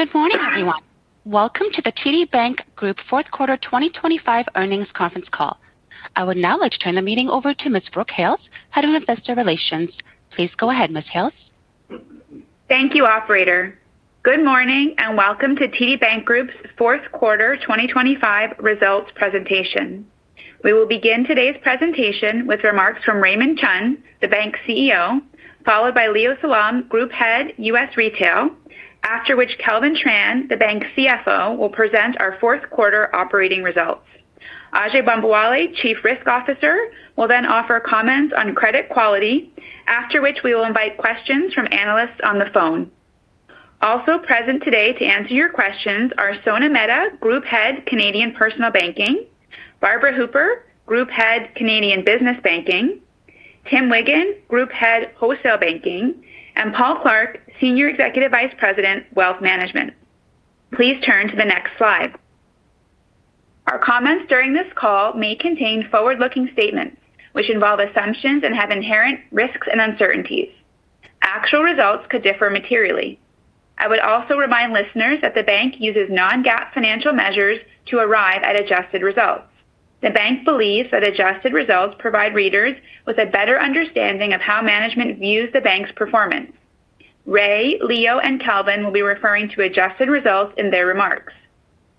Good morning, everyone. Welcome to the TD Bank Group Fourth Quarter 2025 earnings conference call. I would now like to turn the meeting over to Ms. Brooke Hales, Senior Vice President of Investor Relations. Please go ahead, Ms. Hales. Thank you, Operator. Good morning and welcome to TD Bank Group's Fourth Quarter 2025 results presentation. We will begin today's presentation with remarks from Raymond Chun, the Bank CEO, followed by Leo Salom, President and CEO TD Bank Group, after which Kelvin Tran, the Bank CFO, will present our Fourth Quarter operating results. Ajai Bambawale, Chief Risk Officer, will then offer comments on credit quality, after which we will invite questions from analysts on the phone. Also present today to answer your questions are Sona Mehta, Group Head, Canadian Personal Banking, Barbara Hooper, Group Head, Canadian Business Banking, Tim Wiggan, Group Head, Wholesale Banking, and Paul Clark, Senior Executive Vice President, Wealth Management. Please turn to the next slide. Our comments during this call may contain forward-looking statements, which involve assumptions and have inherent risks and uncertainties. Actual results could differ materially. I would also remind listeners that the Bank uses non-GAAP financial measures to arrive at adjusted results. The Bank believes that adjusted results provide readers with a better understanding of how management views the Bank's performance. Ray, Leo, and Kelvin will be referring to adjusted results in their remarks.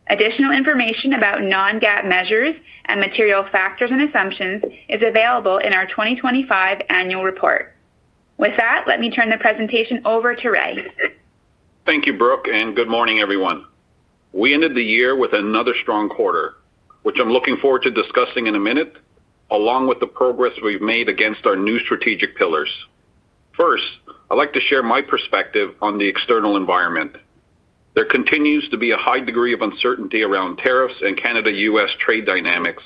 Additional information about non-GAAP measures and material factors and assumptions is available in our 2025 annual report. With that, let me turn the presentation over to Ray. Thank you, Brooke, and good morning, everyone. We ended the year with another strong quarter, which I'm looking forward to discussing in a minute, along with the progress we've made against our new strategic pillars. First, I'd like to share my perspective on the external environment. There continues to be a high degree of uncertainty around tariffs and Canada-U.S. trade dynamics,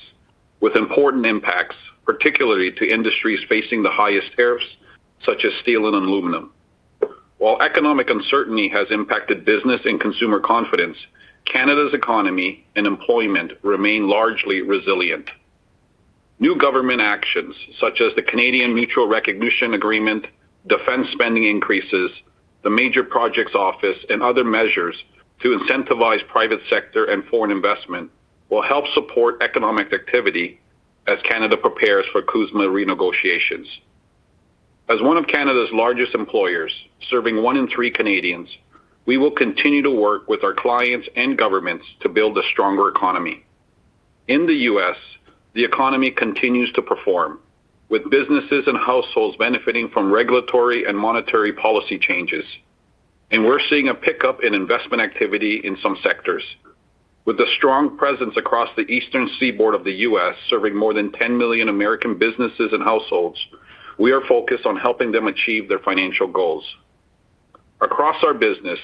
with important impacts, particularly to industries facing the highest tariffs, such as steel and aluminum. While economic uncertainty has impacted business and consumer confidence, Canada's economy and employment remain largely resilient. New government actions, such as the Canadian Mutual Recognition Agreement, defense spending increases, the Major Projects Office, and other measures to incentivize private sector and foreign investment, will help support economic activity as Canada prepares for CUSMA renegotiations. As one of Canada's largest employers, serving one in three Canadians, we will continue to work with our clients and governments to build a stronger economy. In the U.S., the economy continues to perform, with businesses and households benefiting from regulatory and monetary policy changes, and we're seeing a pickup in investment activity in some sectors. With the strong presence across the Eastern Seaboard of the U.S., serving more than 10 million American businesses and households, we are focused on helping them achieve their financial goals. Across our business,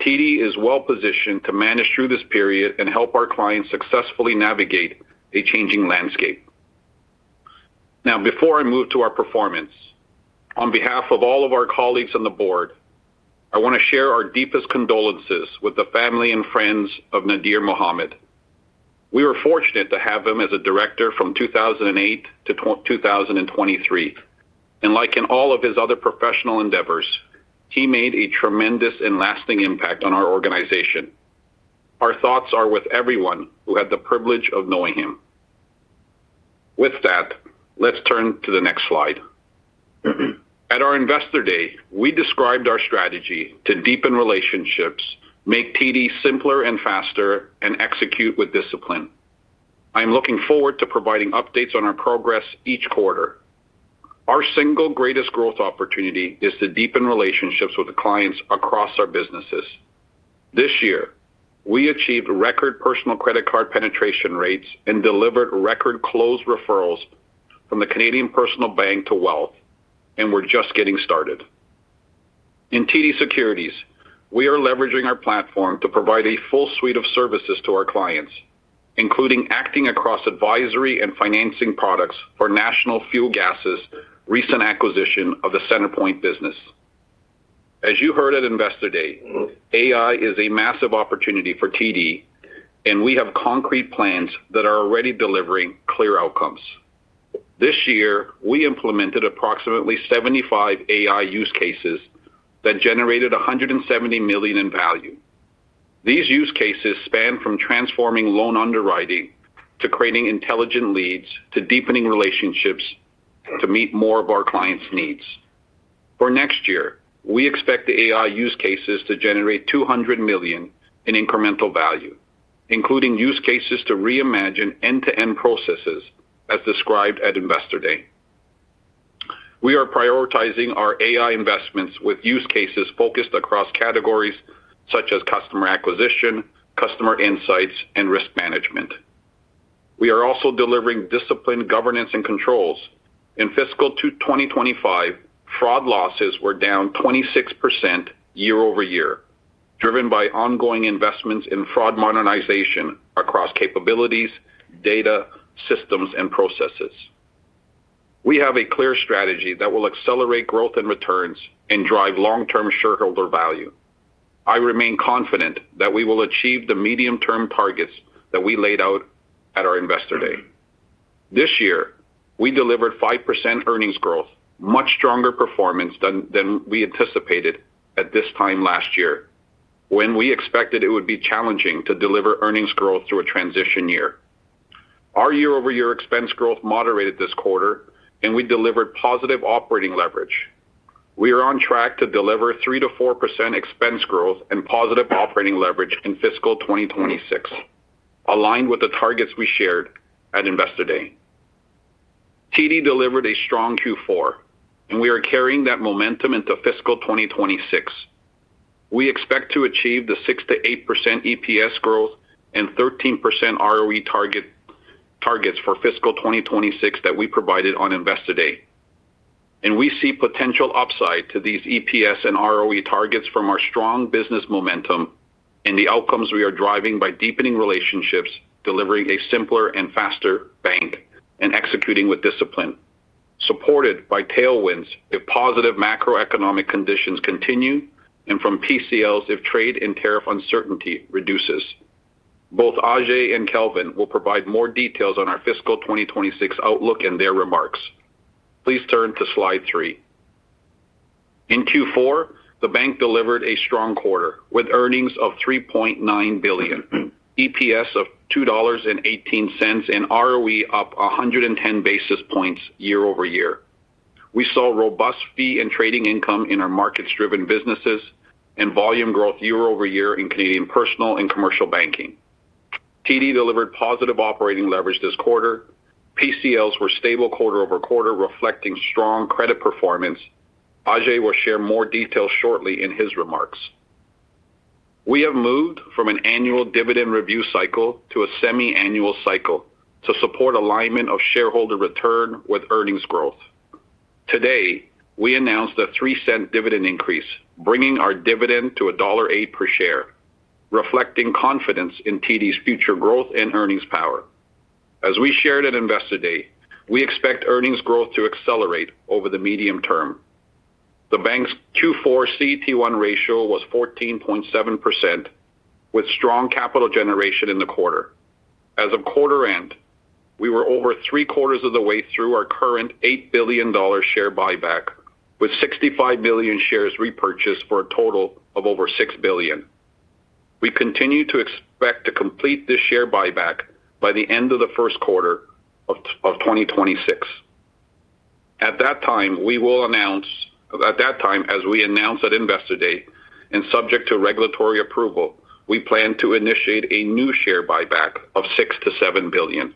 TD is well positioned to manage through this period and help our clients successfully navigate a changing landscape. Now, before I move to our performance, on behalf of all of our colleagues on the board, I want to share our deepest condolences with the family and friends of Nadir Mohamed. We were fortunate to have him as a director from 2008 to 2023, and like in all of his other professional endeavors, he made a tremendous and lasting impact on our organization. Our thoughts are with everyone who had the privilege of knowing him. With that, let's turn to the next slide. At our Investor Day, we described our strategy to deepen relationships, make TD simpler and faster, and execute with discipline. I am looking forward to providing updates on our progress each quarter. Our single greatest growth opportunity is to deepen relationships with the clients across our businesses. This year, we achieved record personal credit card penetration rates and delivered record close referrals from the Canadian Personal Bank to Wealth, and we're just getting started. In TD Securities, we are leveraging our platform to provide a full suite of services to our clients, including acting across advisory and financing products for National Fuel Gas' recent acquisition of the CenterPoint business. As you heard at Investor Day, AI is a massive opportunity for TD, and we have concrete plans that are already delivering clear outcomes. This year, we implemented approximately 75 AI use cases that generated $170 million in value. These use cases span from transforming loan underwriting to creating intelligent leads to deepening relationships to meet more of our clients' needs. For next year, we expect the AI use cases to generate $200 million in incremental value, including use cases to reimagine end-to-end processes, as described at Investor Day. We are prioritizing our AI investments with use cases focused across categories such as customer acquisition, customer insights, and risk management. We are also delivering disciplined governance and controls. In fiscal 2025, fraud losses were down 26% year-over-year, driven by ongoing investments in fraud modernization across capabilities, data, systems, and processes. We have a clear strategy that will accelerate growth and returns and drive long-term shareholder value. I remain confident that we will achieve the medium-term targets that we laid out at our Investor Day. This year, we delivered 5% earnings growth, much stronger performance than we anticipated at this time last year, when we expected it would be challenging to deliver earnings growth through a transition year. Our year-over-year expense growth moderated this quarter, and we delivered positive operating leverage. We are on track to deliver 3% to 4% expense growth and positive operating leverage in fiscal 2026, aligned with the targets we shared at Investor Day. TD delivered a strong Q4, and we are carrying that momentum into fiscal 2026. We expect to achieve the 6% to 8% EPS growth and 13% ROE targets for fiscal 2026 that we provided on Investor Day, and we see potential upside to these EPS and ROE targets from our strong business momentum and the outcomes we are driving by deepening relationships, delivering a simpler and faster bank, and executing with discipline, supported by tailwinds if positive macroeconomic conditions continue and from PCLs if trade and tariff uncertainty reduces. Both Ajai and Kelvin will provide more details on our fiscal 2026 outlook in their remarks. Please turn to slide three. In Q4, the Bank delivered a strong quarter with earnings of 3.9 billion, EPS of 2.18 dollars, and ROE up 110 bps year-over-year. We saw robust fee and trading income in our market-driven businesses and volume growth year-over-year in Canadian personal and commercial banking. TD delivered positive operating leverage this quarter. PCLs were stable quarter-over-quarter, reflecting strong credit performance. Ajai will share more details shortly in his remarks. We have moved from an annual dividend review cycle to a semi-annual cycle to support alignment of shareholder return with earnings growth. Today, we announced a 0.03 dividend increase, bringing our dividend to dollar 1.08 per share, reflecting confidence in TD's future growth and earnings power. As we shared at Investor Day, we expect earnings growth to accelerate over the medium term. The Bank's Q4 CET1 ratio was 14.7%, with strong capital generation in the quarter. As of quarter end, we were over three-quarters of the way through our current $8 billion share buyback, with 65 million shares repurchased for a total of over $6 billion. We continue to expect to complete this share buyback by the end of the first quarter of 2026. At that time, we will announce, at that time, as we announce at Investor Day and subject to regulatory approval, we plan to initiate a new share buyback of $6 billion to $7billion.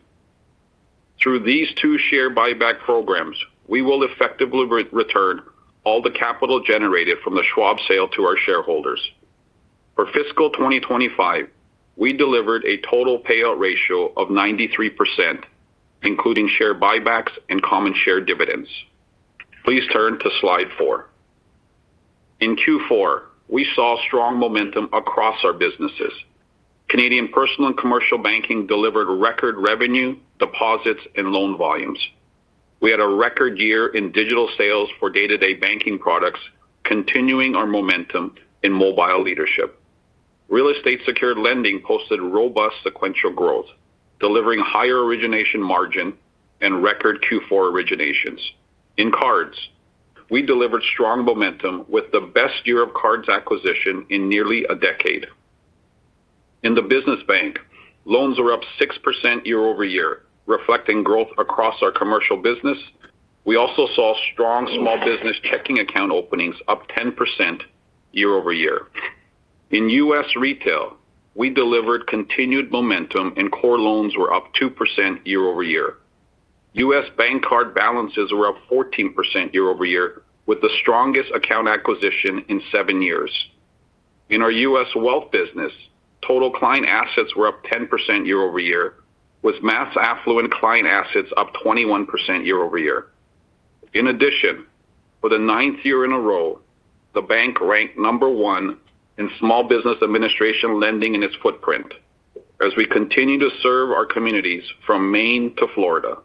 Through these two share buyback programs, we will effectively return all the capital generated from the Schwab sale to our shareholders. For fiscal 2025, we delivered a total payout ratio of 93%, including share buybacks and common share dividends. Please turn to slide four. In Q4, we saw strong momentum across our businesses. Canadian Personal and Commercial Banking delivered record revenue, deposits, and loan volumes. We had a record year in digital sales for day-to-day banking products, continuing our momentum in mobile leadership. Real estate secured lending posted robust sequential growth, delivering higher origination margin and record Q4 originations. In cards, we delivered strong momentum with the best year of cards acquisition in nearly a decade. In the Business Bank, loans were up 6% year-over-year, reflecting growth across our commercial business. We also saw strong small business checking account openings, up 10% year-over-year. In U.S. Retail, we delivered continued momentum and core loans were up 2% year-over-year. U.S. bank card balances were up 14% year-over-year, with the strongest account acquisition in seven years. In our U.S. wealth business, total client assets were up 10% year-over-year, with mass affluent client assets up 21% year-over-year. In addition, for the ninth year in a row, the Bank ranked number one in Small Business Administration lending in its footprint, as we continue to serve our communities from Maine to Florida.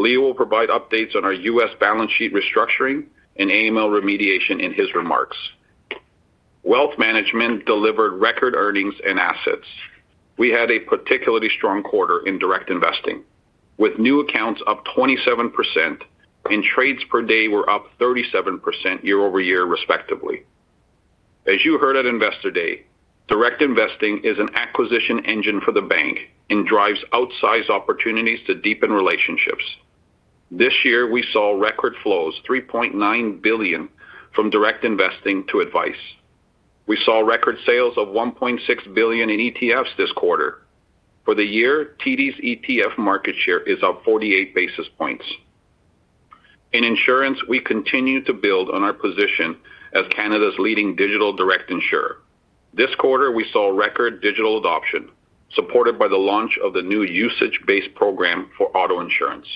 Leo will provide updates on our U.S. balance sheet restructuring and AML remediation in his remarks. Wealth management delivered record earnings and assets. We had a particularly strong quarter in Direct Investing, with new accounts up 27% and trades per day were up 37% year-over-year, respectively. As you heard at Investor Day, Direct Investing is an acquisition engine for the Bank and drives outsized opportunities to deepen relationships. This year, we saw record flows, $3.9 billion, from Direct Investing to advice. We saw record sales of $1.6 billion in ETFs this quarter. For the year, TD's ETF market share is up 48 bps. In insurance, we continue to build on our position as Canada's leading digital direct insurer. This quarter, we saw record digital adoption, supported by the launch of the new usage-based program for auto insurance.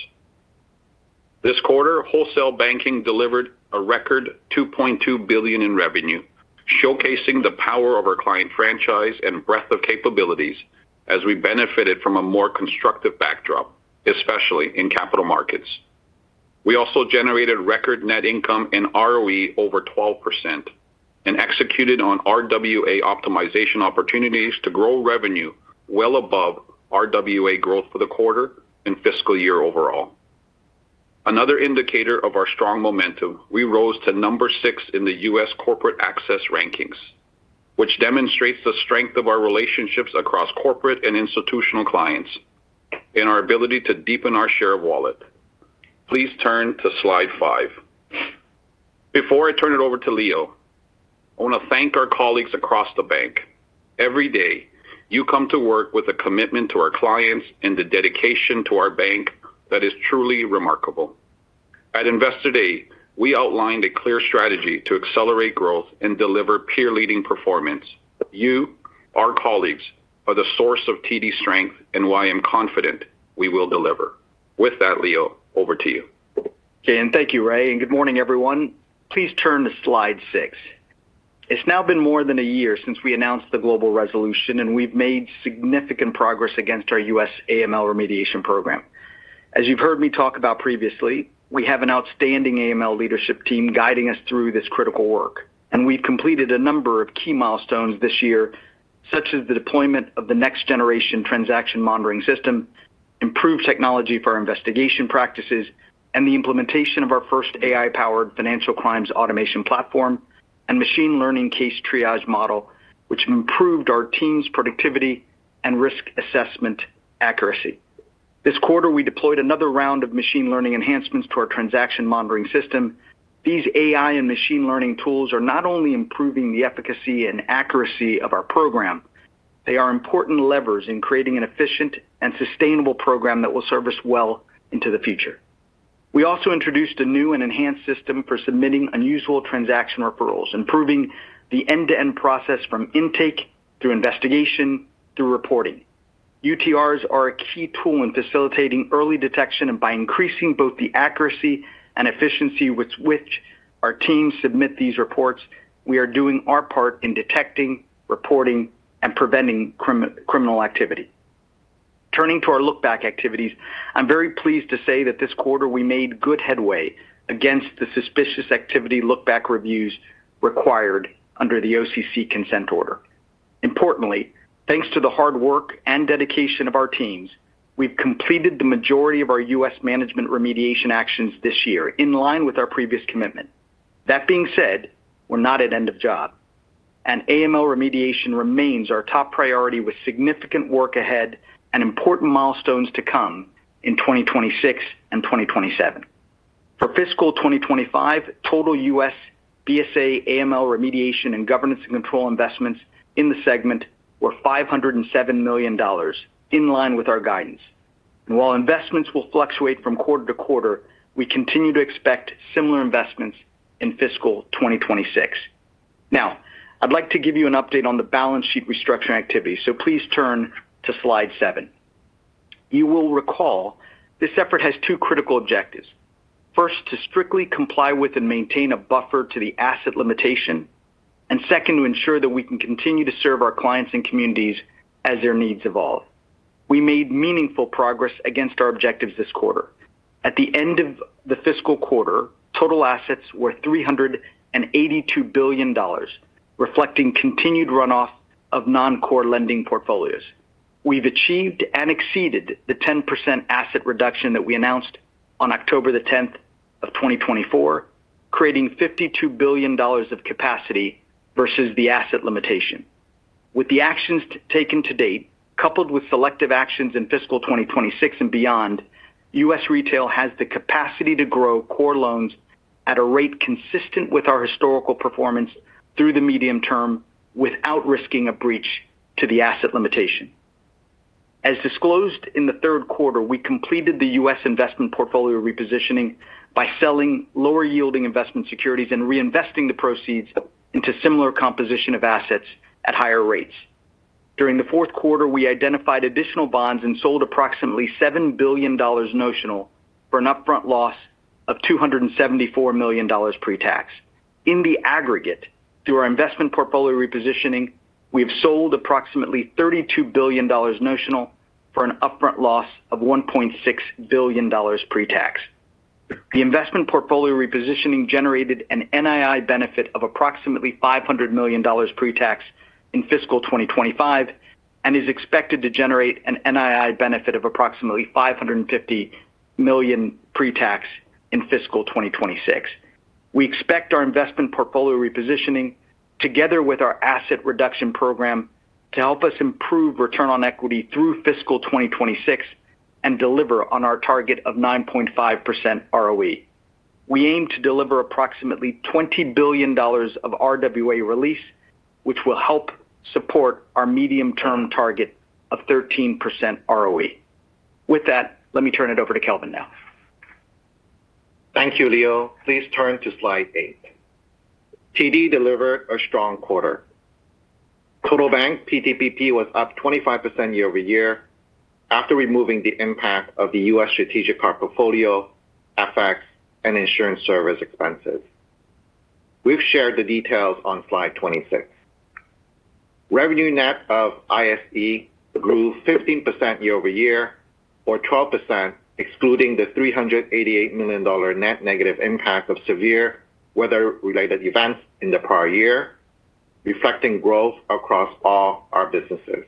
This quarter, wholesale banking delivered a record $2.2 billion in revenue, showcasing the power of our client franchise and breadth of capabilities as we benefited from a more constructive backdrop, especially in capital markets. We also generated record net income and ROE over 12% and executed on RWA optimization opportunities to grow revenue well above RWA growth for the quarter and fiscal year overall. Another indicator of our strong momentum, we rose to number six in the U.S. corporate access rankings, which demonstrates the strength of our relationships across corporate and institutional clients and our ability to deepen our share of wallet. Please turn to slide five. Before I turn it over to Leo, I want to thank our colleagues across the Bank. Every day, you come to work with a commitment to our clients and a dedication to our Bank that is truly remarkable. At Investor Day, we outlined a clear strategy to accelerate growth and deliver peer-leading performance. You, our colleagues, are the source of TD strength and why I'm confident we will deliver. With that, Leo, over to you. Jayen, thank you, Ray. And good morning, everyone. Please turn to slide six. It's now been more than a year since we announced the global resolution, and we've made significant progress against our U.S. AML remediation program. As you've heard me talk about previously, we have an outstanding AML leadership team guiding us through this critical work, and we've completed a number of key milestones this year, such as the deployment of the Next Generation Transaction Monitoring System, improved technology for our investigation practices, and the implementation of our first AI-powered financial crimes automation platform and machine learning case triage model, which improved our team's productivity and risk assessment accuracy. This quarter, we deployed another round of machine learning enhancements to our transaction monitoring system. These AI and machine learning tools are not only improving the efficacy and accuracy of our program. They are important levers in creating an efficient and sustainable program that will serve us well into the future. We also introduced a new and enhanced system for submitting unusual transaction referrals, improving the end-to-end process from intake through investigation through reporting. UTRs are a key tool in facilitating early detection, and by increasing both the accuracy and efficiency with which our teams submit these reports, we are doing our part in detecting, reporting, and preventing criminal activity. Turning to our look-back activities, I'm very pleased to say that this quarter we made good headway against the suspicious activity look-back reviews required under the OCC consent order. Importantly, thanks to the hard work and dedication of our teams, we've completed the majority of our U.S. management remediation actions this year in line with our previous commitment. That being said, we're not at end of job, and AML remediation remains our top priority with significant work ahead and important milestones to come in 2026 and 2027. For fiscal 2025, total U.S. BSA/AML remediation and governance and control investments in the segment were $507 million, in line with our guidance. While investments will fluctuate from quarter-to-quarter, we continue to expect similar investments in fiscal 2026. Now, I'd like to give you an update on the balance sheet restructuring activity, so please turn to slide seven. You will recall this effort has two critical objectives. First, to strictly comply with and maintain a buffer to the asset limitation, and second, to ensure that we can continue to serve our clients and communities as their needs evolve. We made meaningful progress against our objectives this quarter. At the end of the fiscal quarter, total assets were $382 billion, reflecting continued runoff of non-core lending portfolios. We've achieved and exceeded the 10% asset reduction that we announced on October the 10th of 2024, creating $52 billion of capacity versus the asset limitation. With the actions taken to date, coupled with selective actions in fiscal 2026 and beyond, U.S. Retail has the capacity to grow core loans at a rate consistent with our historical performance through the medium term without risking a breach to the asset limitation. As disclosed in the third quarter, we completed the U.S. investment portfolio repositioning by selling lower-yielding investment securities and reinvesting the proceeds into similar composition of assets at higher rates. During the fourth quarter, we identified additional bonds and sold approximately $7 billion notional for an upfront loss of $274 million pre-tax. In the aggregate, through our investment portfolio repositioning, we have sold approximately $32 billion notional for an upfront loss of $1.6 billion pre-tax. The investment portfolio repositioning generated an NII benefit of approximately $500 million pre-tax in fiscal 2025 and is expected to generate an NII benefit of approximately $550 million pre-tax in fiscal 2026. We expect our investment portfolio repositioning, together with our asset reduction program, to help us improve return on equity through fiscal 2026 and deliver on our target of 9.5% ROE. We aim to deliver approximately $20 billion of RWA release, which will help support our medium-term target of 13% ROE. With that, let me turn it over to Kelvin now. Thank you, Leo. Please turn to slide eight. TD delivered a strong quarter. Total Bank PTPP was up 25% year-over-year after removing the impact of the U.S. strategic card portfolio, FX, and insurance service expenses. We've shared the details on slide 26. Revenue net of ISE grew 15% year-over-year, or 12%, excluding the $388 million net negative impact of severe weather-related events in the prior year, reflecting growth across all our businesses.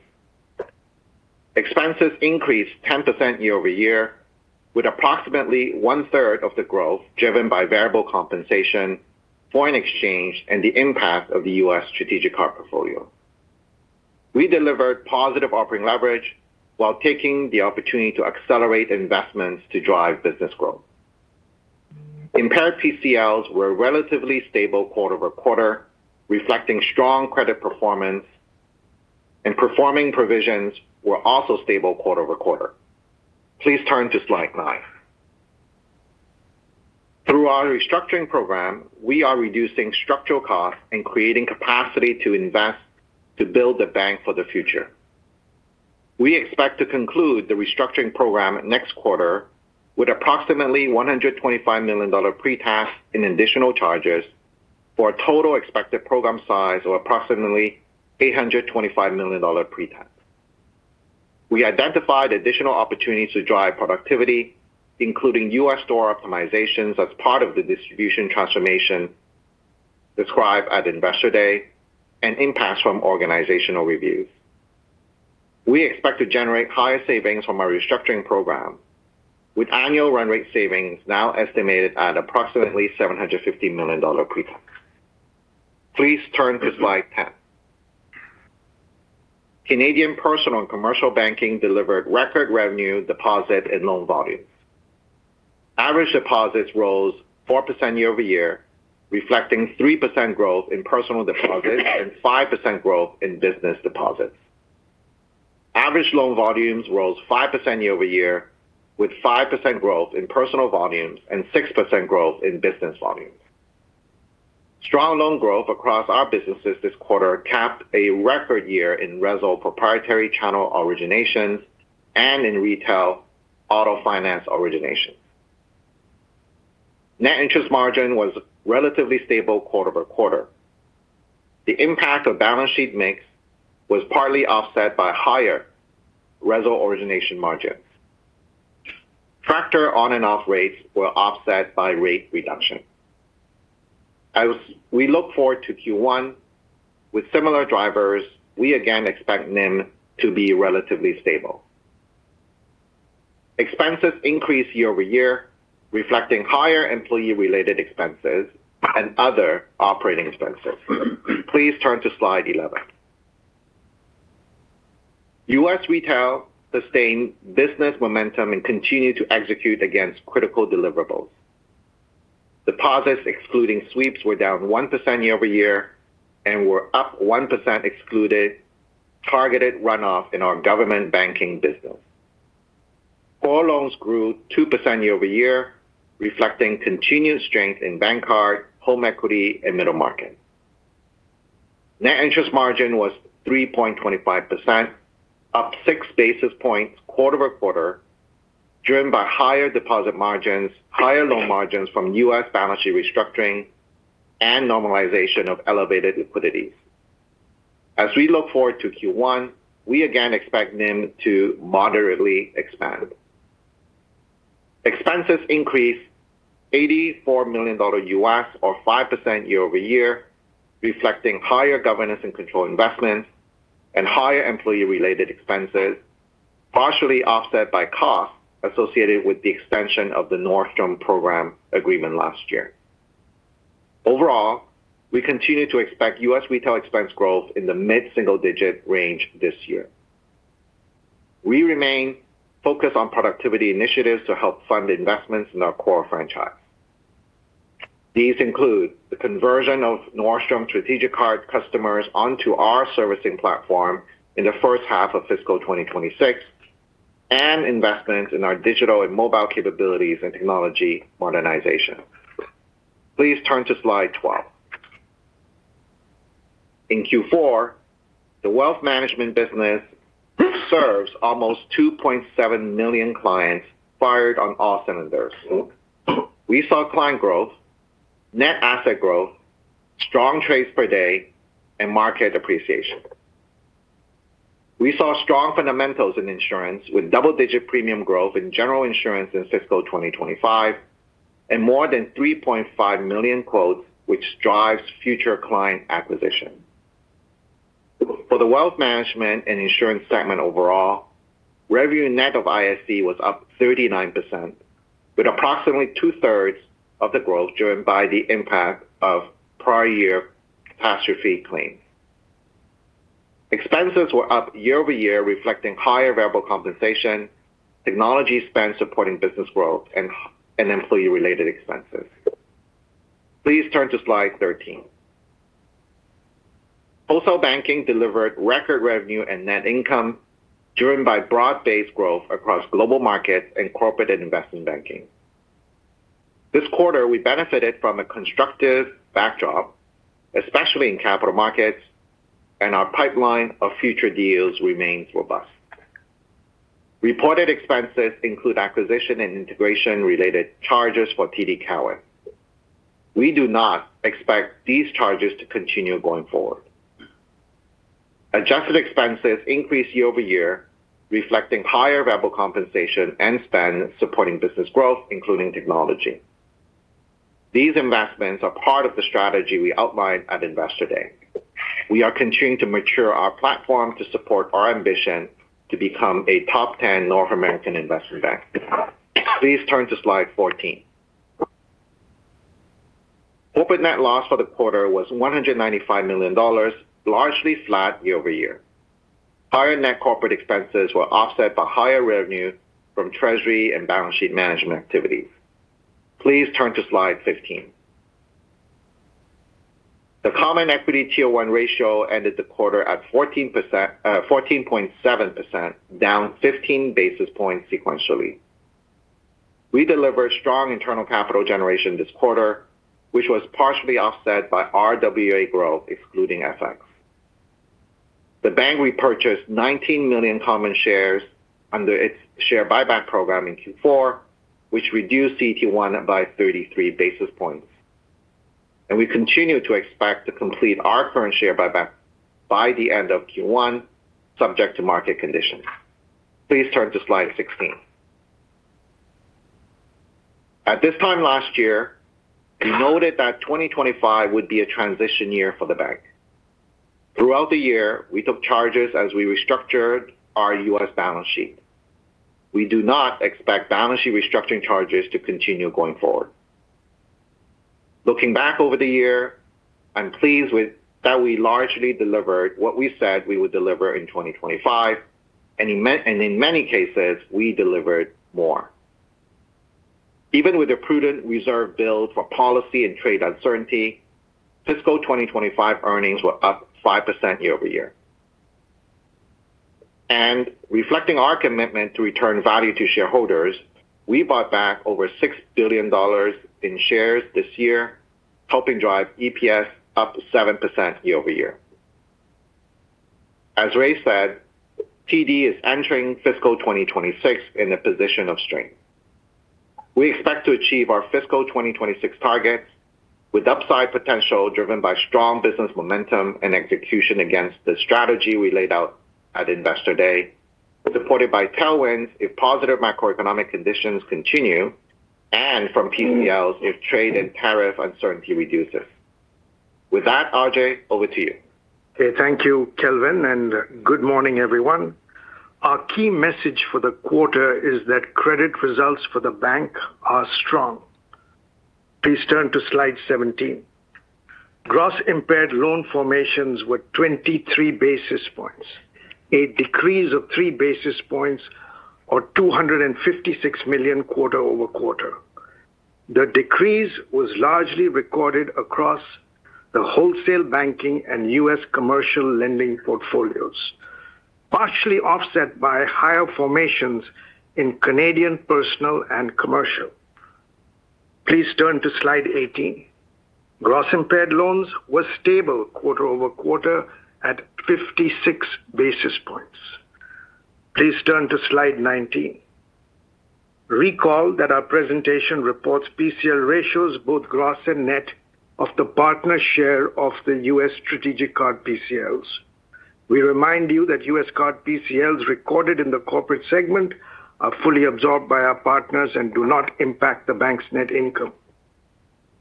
Expenses increased 10% year-over-year, with approximately 1/3 of the growth driven by variable compensation, foreign exchange, and the impact of the U.S. strategic card portfolio. We delivered positive operating leverage while taking the opportunity to accelerate investments to drive business growth. Impaired PCLs were relatively stable quarter-over-quarter, reflecting strong credit performance, and performing provisions were also stable quarter-over-quarter. Please turn to slide nine. Through our restructuring program, we are reducing structural costs and creating capacity to invest to build the Bank for the future. We expect to conclude the restructuring program next quarter with approximately $125 million pre-tax and additional charges for a total expected program size of approximately $825 million pre-tax. We identified additional opportunities to drive productivity, including U.S. store optimizations as part of the distribution transformation described at Investor Day and impacts from organizational reviews. We expect to generate higher savings from our restructuring program, with annual run rate savings now estimated at approximately $750 million pre-tax. Please turn to slide ten. Canadian personal and commercial banking delivered record revenue, deposit, and loan volumes. Average deposits rose 4% year-over-year, reflecting 3% growth in personal deposits and 5% growth in business deposits. Average loan volumes rose 5% year-over-year, with 5% growth in personal volumes and 6% growth in business volumes. Strong loan growth across our businesses this quarter capped a record year in RESL proprietary channel originations and in retail auto finance originations. Net interest margin was relatively stable quarter-over-quarter. The impact of balance sheet mix was partly offset by higher RESL origination margins. Tractor on-and-off rates were offset by rate reduction. As we look forward to Q1, with similar drivers, we again expect NIM to be relatively stable. Expenses increased year-over-year, reflecting higher employee-related expenses and other operating expenses. Please turn to slide 11. U.S. Retail sustained business momentum and continued to execute against critical deliverables. Deposits, excluding sweeps, were down 1% year-over-year and were up 1% excluding targeted runoff in our government banking business. Core loans grew 2% year-over-year, reflecting continued strength in bank card, home equity, and middle market. Net interest margin was 3.25%, up 6 bps quarter-over-quarter, driven by higher deposit margins, higher loan margins from U.S. balance sheet restructuring, and normalization of elevated liquidities. As we look forward to Q1, we again expect NIM to moderately expand. Expenses increased $84 million U.S., or 5% year-over-year, reflecting higher governance and control investments and higher employee-related expenses, partially offset by costs associated with the extension of the Nordstrom program agreement last year. Overall, we continue to expect U.S. Retail expense growth in the mid-single-digit range this year. We remain focused on productivity initiatives to help fund investments in our core franchise. These include the conversion of Nordstrom strategic card customers onto our servicing platform in the first half of fiscal 2026 and investments in our digital and mobile capabilities and technology modernization. Please turn to slide 12. In Q4, the Wealth Management business serves almost 2.7 million clients, fired on all cylinders. We saw client growth, net asset growth, strong trades per day, and market appreciation. We saw strong fundamentals in insurance with double-digit premium growth in general insurance in fiscal 2025 and more than 3.5 million quotes, which drives future client acquisition. For the Wealth Management and insurance segment overall, revenue net of ISE was up 39%, with approximately 2/3 of the growth driven by the impact of prior year catastrophe claims. Expenses were up year-over-year, reflecting higher variable compensation, technology spend supporting business growth, and employee-related expenses. Please turn to slide 13. Wholesale Banking delivered record revenue and net income driven by broad-based growth across global markets and corporate and investment banking. This quarter, we benefited from a constructive backdrop, especially in capital markets, and our pipeline of future deals remains robust. Reported expenses include acquisition and integration-related charges for TD Cowen. We do not expect these charges to continue going forward. Adjusted expenses increased year-over-year, reflecting higher variable compensation and spend supporting business growth, including technology. These investments are part of the strategy we outlined at Investor Day. We are continuing to mature our platform to support our ambition to become a top 10 North American investment bank. Please turn to slide 14. Corporate net loss for the quarter was $195 million, largely flat year-over-year. Higher net corporate expenses were offset by higher revenue from treasury and balance sheet management activities. Please turn to slide 15. The common equity CET1 ratio ended the quarter at 14.7%, down 15 bps sequentially. We delivered strong internal capital generation this quarter, which was partially offset by RWA growth, excluding FX. The bank repurchased $19 million common shares under its share buyback program in Q4, which reduced CET1 by 33 bps. And we continue to expect to complete our current share buyback by the end of Q1, subject to market conditions. Please turn to slide 16. At this time last year, we noted that 2025 would be a transition year for the bank. Throughout the year, we took charges as we restructured our U.S. balance sheet. We do not expect balance sheet restructuring charges to continue going forward. Looking back over the year, I'm pleased that we largely delivered what we said we would deliver in 2025, and in many cases, we delivered more. Even with a prudent reserve build for policy and trade uncertainty, fiscal 2025 earnings were up 5% year-over-year, and reflecting our commitment to return value to shareholders, we bought back over $6 billion in shares this year, helping drive EPS up 7% year-over-year. As Ray said, TD is entering fiscal 2026 in a position of strength. We expect to achieve our fiscal 2026 targets with upside potential driven by strong business momentum and execution against the strategy we laid out at Investor Day, supported by tailwinds if positive macroeconomic conditions continue and from PCLs if trade and tariff uncertainty reduces. With that, Ajai, over to you. Thank you, Kelvin, and good morning, everyone. Our key message for the quarter is that credit results for the Bank are strong. Please turn to slide 17. Gross impaired loan formations were 23 bps, a decrease of 3 bps or $256 million quarter-over-quarter. The decrease was largely recorded across the wholesale banking and U.S. commercial lending portfolios, partially offset by higher formations in Canadian personal and commercial. Please turn to slide 18. Gross impaired loans were stable quarter-over-quarter at 56 bps. Please turn to slide 19. Recall that our presentation reports PCL ratios, both gross and net, of the partner share of the U.S. strategic card PCLs. We remind you that U.S. card PCLs recorded in the Corporate segment are fully absorbed by our partners and do not impact the bank's net income.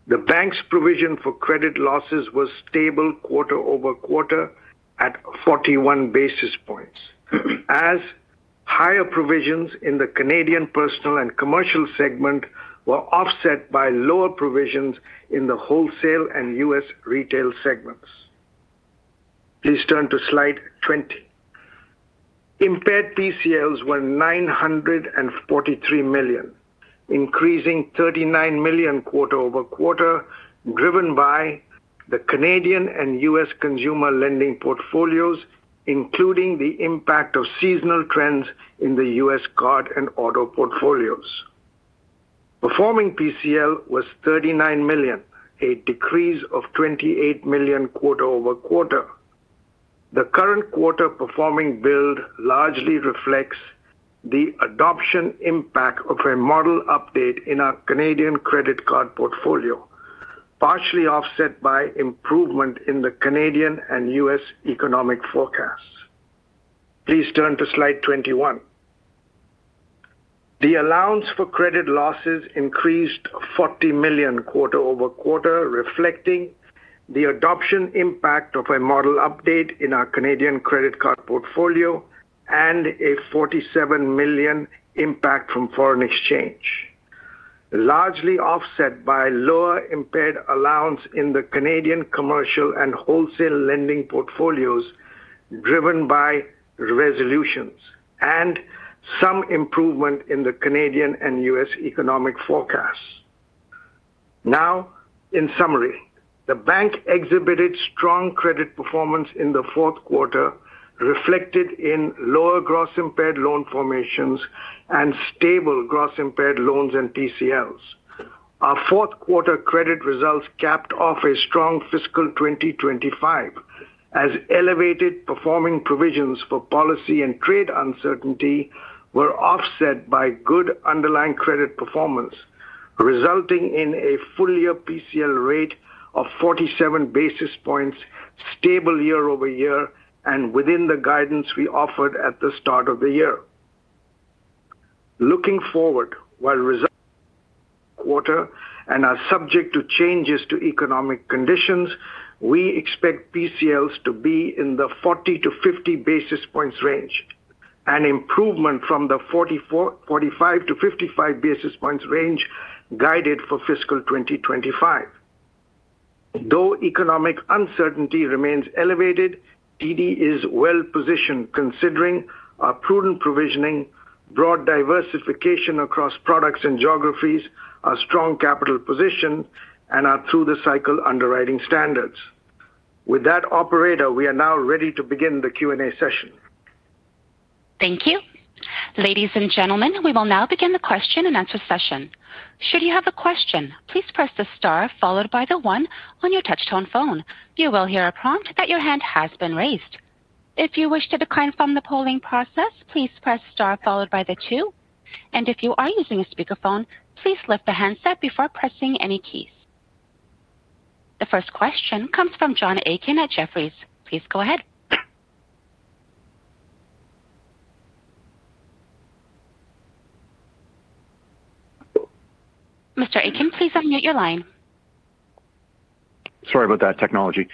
The bank's provision for credit losses was stable quarter-over-quarter at 41 bps, as higher provisions in the Canadian personal and commercial segment were offset by lower provisions in the wholesale and U.S. retail segments. Please turn to slide 20. Impaired PCLs were $943 million, increasing $39 million quarter-over-quarter, driven by the Canadian and U.S. consumer lending portfolios, including the impact of seasonal trends in the U.S. card and auto portfolios. Performing PCL was $39 million, a decrease of $28 million quarter-over-quarter. The current quarter performing build largely reflects the adoption impact of a model update in our Canadian credit card portfolio, partially offset by improvement in the Canadian and U.S. economic forecasts. Please turn to slide 21. The allowance for credit losses increased $40 million quarter-over-quarter, reflecting the adoption impact of a model update in our Canadian credit card portfolio and a $47 million impact from foreign exchange, largely offset by lower impaired allowance in the Canadian commercial and wholesale lending portfolios, driven by resolutions and some improvement in the Canadian and U.S. economic forecasts. Now, in summary, the bank exhibited strong credit performance in the fourth quarter, reflected in lower gross impaired loan formations and stable gross impaired loans and PCLs. Our fourth quarter credit results capped off a strong fiscal 2025, as elevated performing provisions for policy and trade uncertainty were offset by good underlying credit performance, resulting in a full year PCL rate of 47 bps, stable year-over-year, and within the guidance we offered at the start of the year. Looking forward, while results are quarterly and are subject to changes in economic conditions, we expect PCLs to be in the 40 bps- 50 bps range, an improvement from the 45 bps-55 bps range guided for fiscal 2025. Though economic uncertainty remains elevated, TD is well positioned considering our prudent provisioning, broad diversification across products and geographies, our strong capital position, and our through-the-cycle underwriting standards. With that, operator, we are now ready to begin the Q&A session. Thank you. Ladies and gentlemen, we will now begin the question and answer session. Should you have a question, please press the star followed by the one on your touchtone phone. You will hear a prompt that your hand has been raised. If you wish to decline from the polling process, please press star followed by the two. And if you are using a speakerphone, please lift the handset before pressing any keys. The first question comes from John Aiken at Jefferies. Please go ahead. Mr. Aiken, please unmute your line. Sorry about that technology.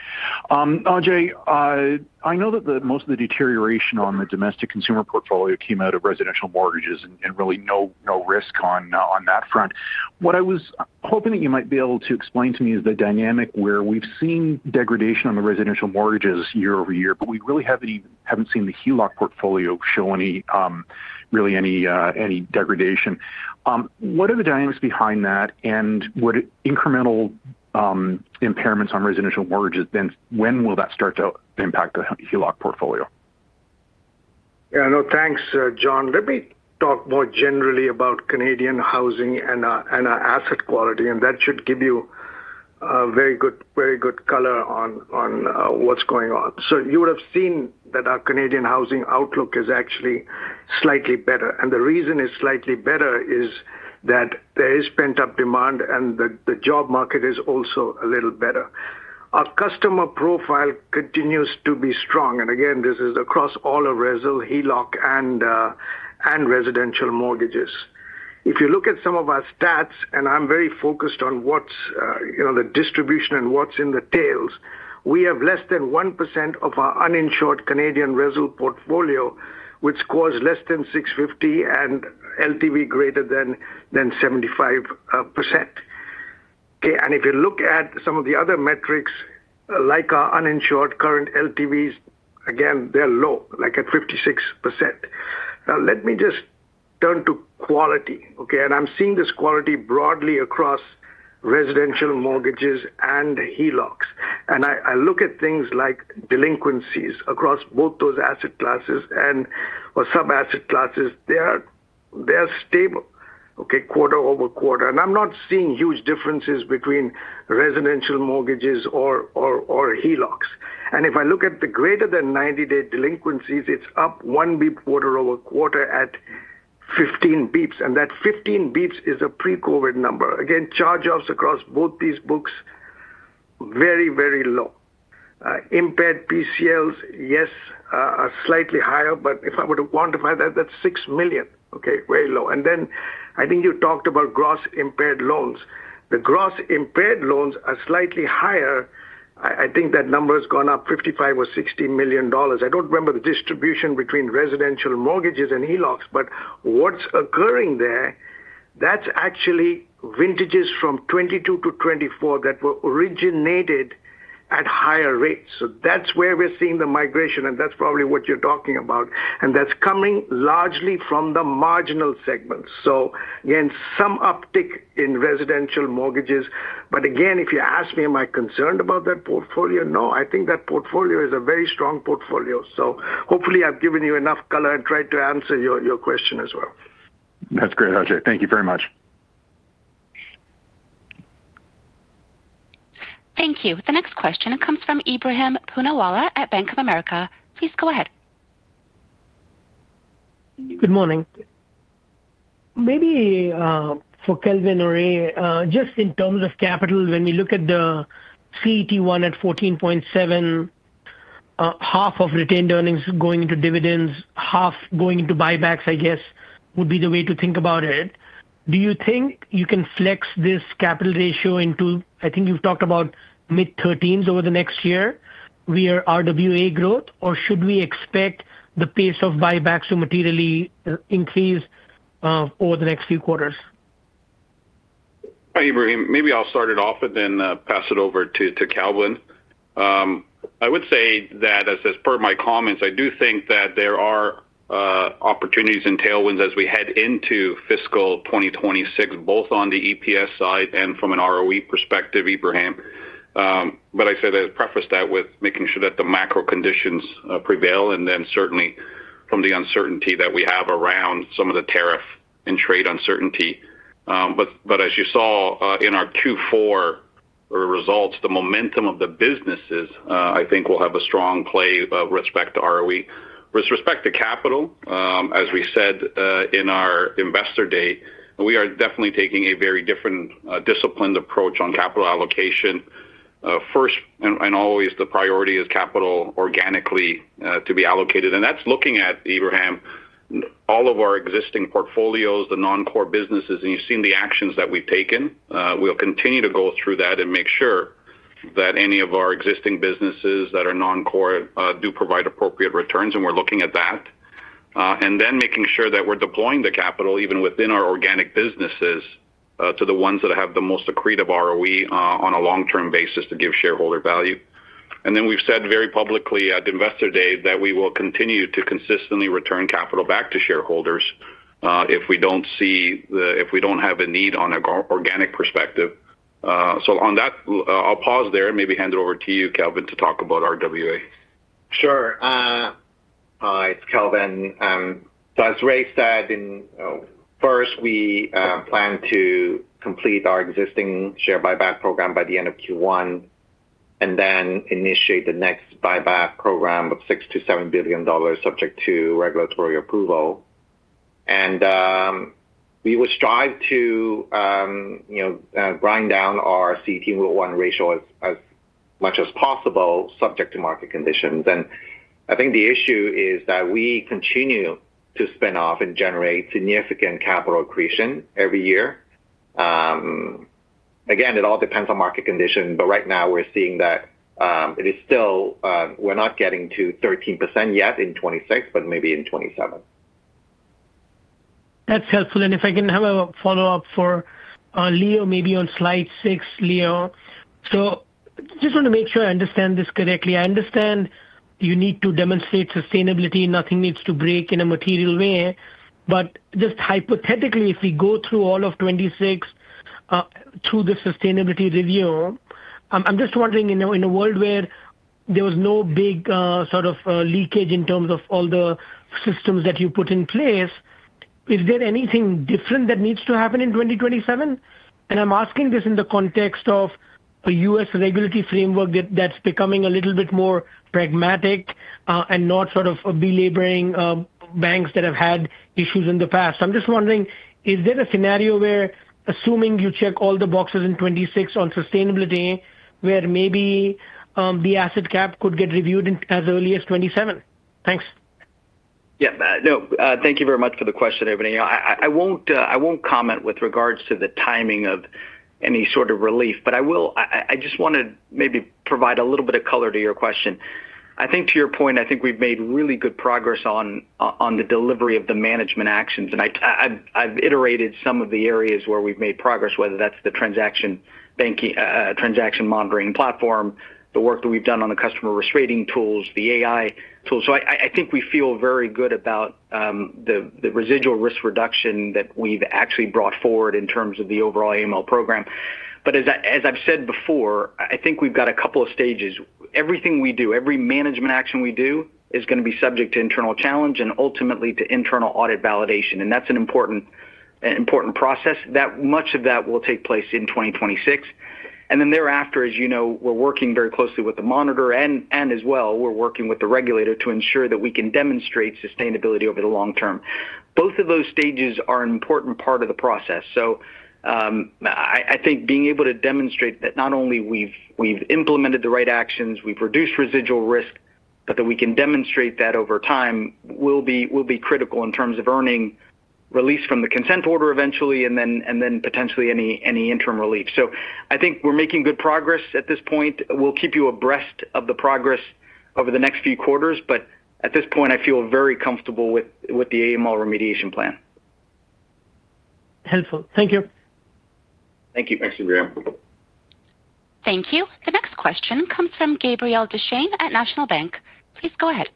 Ajai, I know that most of the deterioration on the domestic consumer portfolio came out of residential mortgages and really no risk on that front. What I was hoping that you might be able to explain to me is the dynamic where we've seen degradation on the residential mortgages year-over-year, but we really haven't seen the HELOC portfolio show really any degradation. What are the dynamics behind that, and would incremental impairments on residential mortgages then impact the HELOC portfolio? When will that start? Yeah, no, thanks, John. Let me talk more generally about Canadian housing and asset quality, and that should give you a very good color on what's going on. So you would have seen that our Canadian housing outlook is actually slightly better. And the reason it's slightly better is that there is pent-up demand, and the job market is also a little better. Our customer profile continues to be strong. And again, this is across all of RESL, HELOC, and residential mortgages. If you look at some of our stats, and I'm very focused on what's the distribution and what's in the tails, we have less than 1% of our uninsured Canadian RESL portfolio, which scores less than 650 and LTV greater than 75%. Okay, and if you look at some of the other metrics, like our uninsured current LTVs, again, they're low, like at 56%. Now, let me just turn to quality. Okay, and I'm seeing this quality broadly across residential mortgages and HELOCs. And I look at things like delinquencies across both those asset classes or sub-asset classes, they're stable, okay, quarter-over-quarter. And I'm not seeing huge differences between residential mortgages or HELOCs. And if I look at the greater than 90-day delinquencies, it's up 1 bp quarter-over-quarter at 15 bps. And that 15 bps is a pre-COVID number. Again, charge-offs across both these books very, very low. Impaired PCLs, yes, are slightly higher, but if I were to quantify that, that's $6 million, okay, very low. And then I think you talked about gross impaired loans. The gross impaired loans are slightly higher. I think that number has gone up $55 million or $60 million. I don't remember the distribution between residential mortgages and HELOCs, but what's occurring there, that's actually vintages from 2022 to 2024 that were originated at higher rates. So that's where we're seeing the migration, and that's probably what you're talking about. And that's coming largely from the marginal segment. So again, some uptick in residential mortgages. But again, if you ask me, am I concerned about that portfolio? No, I think that portfolio is a very strong portfolio. So hopefully, I've given you enough color and tried to answer your question as well. That's great, Ajai. Thank you very much. Thank you. The next question, it comes from Ebrahim Poonawala at Bank of America. Please go ahead. Good morning. Maybe for Kelvin or just in terms of capital, when we look at the CET1 at 14.7%, half of retained earnings going into dividends, half going into buybacks, I guess, would be the way to think about it. Do you think you can flex this capital ratio into I think you've talked about mid-13s over the next year via RWA growth, or should we expect the pace of buybacks to materially increase over the next few quarters? Hi, Ebrahim. Maybe I'll start it off and then pass it over to Kelvin. I would say that as per my comments, I do think that there are opportunities in tailwinds as we head into fiscal 2026, both on the EPS side and from an ROE perspective, Ebrahim. But I'd say that I'd preface that with making sure that the macro conditions prevail, and then certainly from the uncertainty that we have around some of the tariff and trade uncertainty. As you saw in our Q4 results, the momentum of the businesses, I think, will have a strong play with respect to ROE. With respect to capital, as we said in our Investor Day, we are definitely taking a very different disciplined approach on capital allocation. First and always, the priority is capital organically to be allocated. And that's looking at, Ebrahim, all of our existing portfolios, the non-core businesses, and you've seen the actions that we've taken. We'll continue to go through that and make sure that any of our existing businesses that are non-core do provide appropriate returns, and we're looking at that. And then making sure that we're deploying the capital even within our organic businesses to the ones that have the most accretive ROE on a long-term basis to give shareholder value. And then we've said very publicly at Investor Day that we will continue to consistently return capital back to shareholders if we don't see a need on an organic perspective. So on that, I'll pause there and maybe hand it over to you, Kelvin, to talk about RWA. Sure. Hi, it's Kelvin. So as Ray said, first, we plan to complete our existing share buyback program by the end of Q1 and then initiate the next buyback program of $6 billion to $7 billion, subject to regulatory approval. And we would strive to grind down our CET1 ratio as much as possible, subject to market conditions. I think the issue is that we continue to spin off and generate significant capital accretion every year. Again, it all depends on market conditions, but right now, we're seeing that we're not getting to 13% yet in 2026, but maybe in 2027. That's helpful. If I can have a follow-up for Leo, maybe on slide six, Leo. Just want to make sure I understand this correctly. I understand you need to demonstrate sustainability. Nothing needs to break in a material way. But just hypothetically, if we go through all of 2026 through the sustainability review, I'm just wondering, in a world where there was no big sort of leakage in terms of all the systems that you put in place, is there anything different that needs to happen in 2027? I'm asking this in the context of a U.S. Regulatory framework that's becoming a little bit more pragmatic and not sort of belaboring banks that have had issues in the past. I'm just wondering, is there a scenario where, assuming you check all the boxes in 2026 on sustainability, where maybe the asset cap could get reviewed as early as 2027? Thanks. Yeah. No, thank you very much for the question, Ebrahim. I won't comment with regards to the timing of any sort of relief, but I will just want to maybe provide a little bit of color to your question. I think to your point, I think we've made really good progress on the delivery of the management actions. And I've iterated some of the areas where we've made progress, whether that's the transaction monitoring platform, the work that we've done on the customer risk rating tools, the AI tools. So I think we feel very good about the residual risk reduction that we've actually brought forward in terms of the overall AML program. But as I've said before, I think we've got a couple of stages. Everything we do, every management action we do, is going to be subject to internal challenge and ultimately to internal audit validation. And that's an important process. Much of that will take place in 2026. And then thereafter, as you know, we're working very closely with the monitor, and as well, we're working with the regulator to ensure that we can demonstrate sustainability over the long term. Both of those stages are an important part of the process. So I think being able to demonstrate that not only we've implemented the right actions, we've reduced residual risk, but that we can demonstrate that over time will be critical in terms of earning release from the consent order eventually, and then potentially any interim relief. So I think we're making good progress at this point. We'll keep you abreast of the progress over the next few quarters, but at this point, I feel very comfortable with the AML remediation plan. Helpful. Thank you. Thank you. Thanks, Ebrahim. Thank you. The next question comes from Gabriel Dechaine at National Bank. Please go ahead.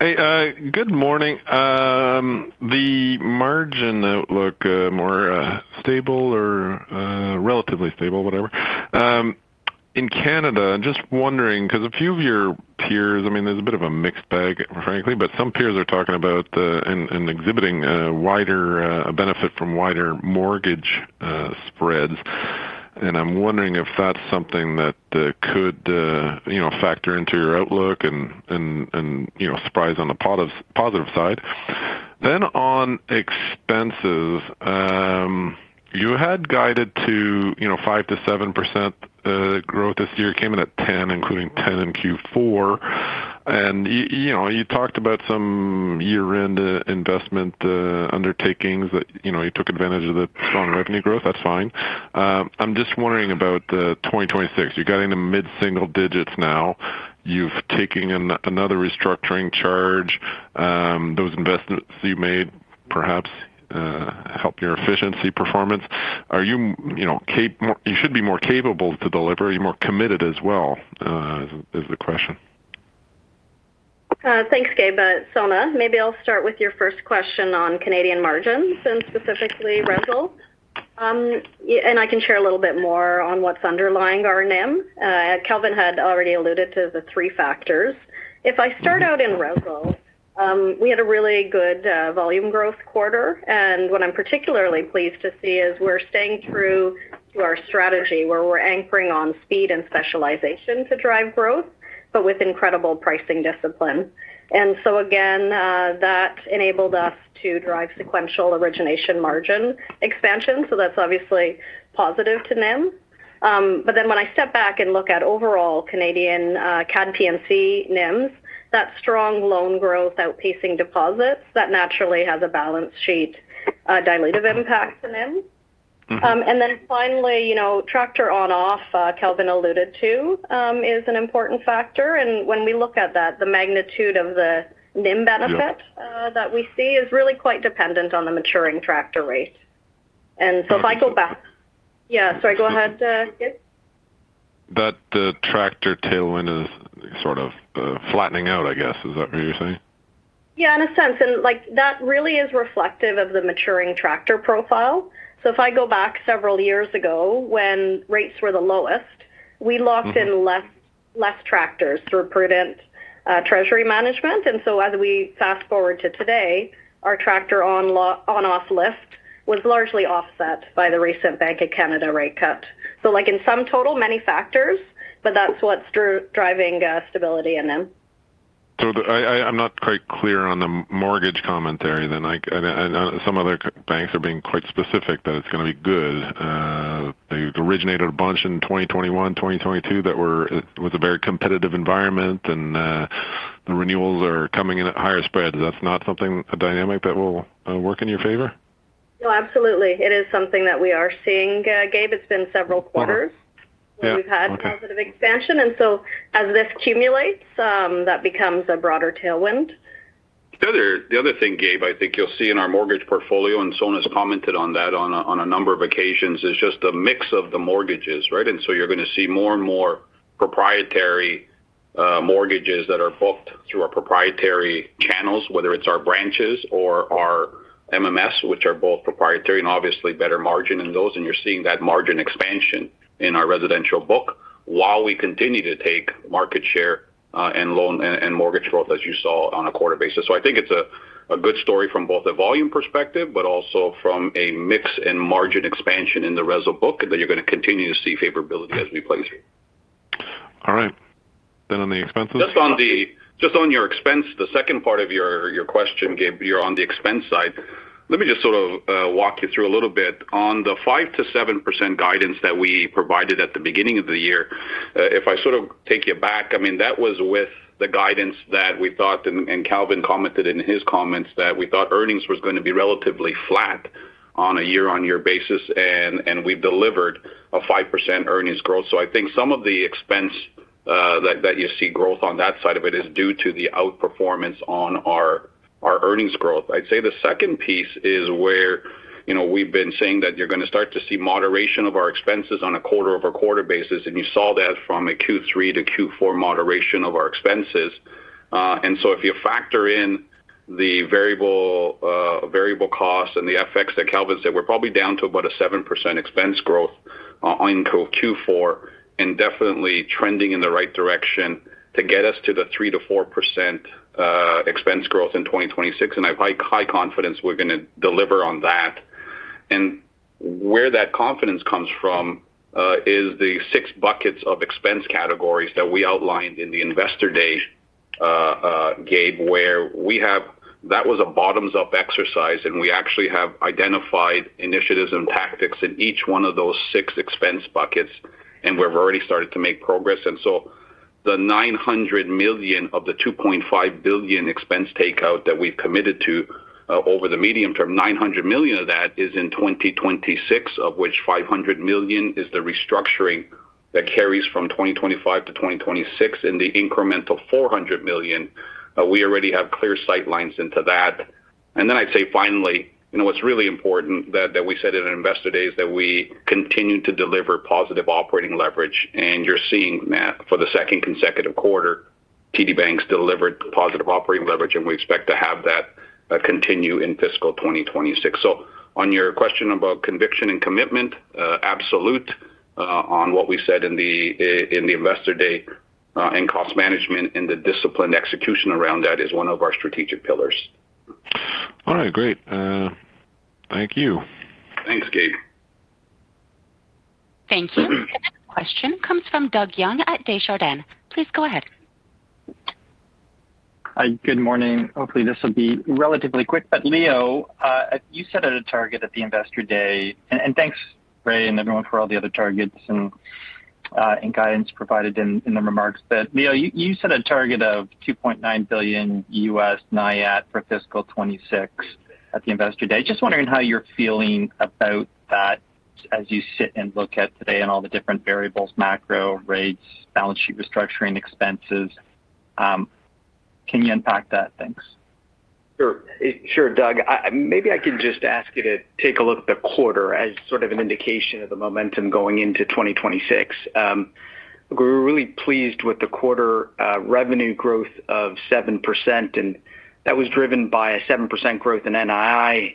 Hey, good morning. The margin outlook, more stable or relatively stable, whatever. In Canada, just wondering, because a few of your peers, I mean, there's a bit of a mixed bag, frankly, but some peers are talking about and exhibiting a wider benefit from wider mortgage spreads. I'm wondering if that's something that could factor into your outlook and surprise on the positive side. On expenses, you had guided to 5% to 7% growth this year, came in at 10%, including 10% in Q4. You talked about some year-end investment undertakings that you took advantage of the strong revenue growth. That's fine. I'm just wondering about 2026. You're getting the mid-single digits now. You've taken another restructuring charge. Those investments you made perhaps help your efficiency performance. Are you more? You should be more capable to deliver. Are you more committed as well is the question. Thanks, Gabe. Sona. Maybe I'll start with your first question on Canadian margins and specifically RESL. I can share a little bit more on what's underlying our NIM. Kelvin had already alluded to the three factors. If I start out in RESL, we had a really good volume growth quarter. What I'm particularly pleased to see is we're staying true to our strategy where we're anchoring on speed and specialization to drive growth, but with incredible pricing discipline. So again, that enabled us to drive sequential origination margin expansion. That's obviously positive to NIM. But then when I step back and look at overall Canadian P&C NIMs, that strong loan growth outpacing deposits, that naturally has a balance sheet dilutive impact to NIM. Then finally, tractor on-off, Kelvin alluded to, is an important factor. When we look at that, the magnitude of the NIM benefit that we see is really quite dependent on the maturing tractor rate. So if I go back yeah, sorry, go ahead, Gabe. That the tractor tailwind is sort of flattening out, I guess. Is that what you're saying? Yeah, in a sense. And that really is reflective of the maturing tractor profile. So if I go back several years ago when rates were the lowest, we locked in less tractors through prudent treasury management. And so as we fast forward to today, our tractor on-off lift was largely offset by the recent Bank of Canada rate cut. So in sum total, many factors, but that's what's driving stability in them. So I'm not quite clear on the mortgage commentary then. Some other banks are being quite specific that it's going to be good. They originated a bunch in 2021, 2022 that were with a very competitive environment, and the renewals are coming in at higher spreads. That's not something, a dynamic that will work in your favor? No, absolutely. It is something that we are seeing, Gabe. It's been several quarters where we've had positive expansion. And so as this accumulates, that becomes a broader tailwind. The other thing, Gabe, I think you'll see in our mortgage portfolio, and Sona's commented on that on a number of occasions, is just the mix of the mortgages, right? And so you're going to see more and more proprietary mortgages that are booked through our proprietary channels, whether it's our branches or our MMS, which are both proprietary and obviously better margin in those. And you're seeing that margin expansion in our residential book while we continue to take market share and mortgage growth, as you saw, on a quarter basis. So I think it's a good story from both a volume perspective, but also from a mix and margin expansion in the RESL book that you're going to continue to see favorability as we play through. All right. Then, on the expenses? Just on your expense, the second part of your question, Gabe, you're on the expense side. Let me just sort of walk you through a little bit. On the 5% to 7% guidance that we provided at the beginning of the year, if I sort of take you back, I mean, that was with the guidance that we thought, and Kelvin commented in his comments, that we thought earnings was going to be relatively flat on a year-on-year basis, and we've delivered a 5% earnings growth. So I think some of the expense that you see growth on that side of it is due to the outperformance on our earnings growth. I'd say the second piece is where we've been saying that you're going to start to see moderation of our expenses on a quarter-over-quarter basis, and you saw that from a Q3 to Q4 moderation of our expenses. So if you factor in the variable costs and the FX that Kelvin said, we're probably down to about a 7% expense growth in Q4 and definitely trending in the right direction to get us to the 3% to 4% expense growth in 2026. I have high confidence we're going to deliver on that. Where that confidence comes from is the six buckets of expense categories that we outlined in the Investor Day, Gabe, where we have that was a bottoms-up exercise, and we actually have identified initiatives and tactics in each one of those six expense buckets, and we've already started to make progress. And so the $900 million of the $2.5 billion expense takeout that we've committed to over the medium term, $900 million of that is in 2026, of which $500 million is the restructuring that carries from 2025 to 2026, and the incremental $400 million, we already have clear sightlines into that. And then I'd say finally, what's really important that we said at Investor Day is that we continue to deliver positive operating leverage. And you're seeing that for the second consecutive quarter, TD Bank's delivered positive operating leverage, and we expect to have that continue in fiscal 2026. So on your question about conviction and commitment, absolute on what we said in the Investor Day and cost management and the disciplined execution around that is one of our strategic pillars. All right. Great. Thank you. Thanks, Gabe. Thank you. The next question comes from Doug Young at Desjardins. Please go ahead. Hi, good morning. Hopefully, this will be relatively quick. But Leo, you set a target at the Investor Day, and thanks, Ray and everyone, for all the other targets and guidance provided in the remarks. But Leo, you set a target of $2.9 billion U.S. NIAT for fiscal 2026 at the Investor Day. Just wondering how you're feeling about that as you sit and look at today and all the different variables, macro rates, balance sheet restructuring, expenses. Can you unpack that? Thanks. Sure. Sure, Doug. Maybe I can just ask you to take a look at the quarter as sort of an indication of the momentum going into 2026. We're really pleased with the quarter revenue growth of 7%, and that was driven by a 7% growth in NII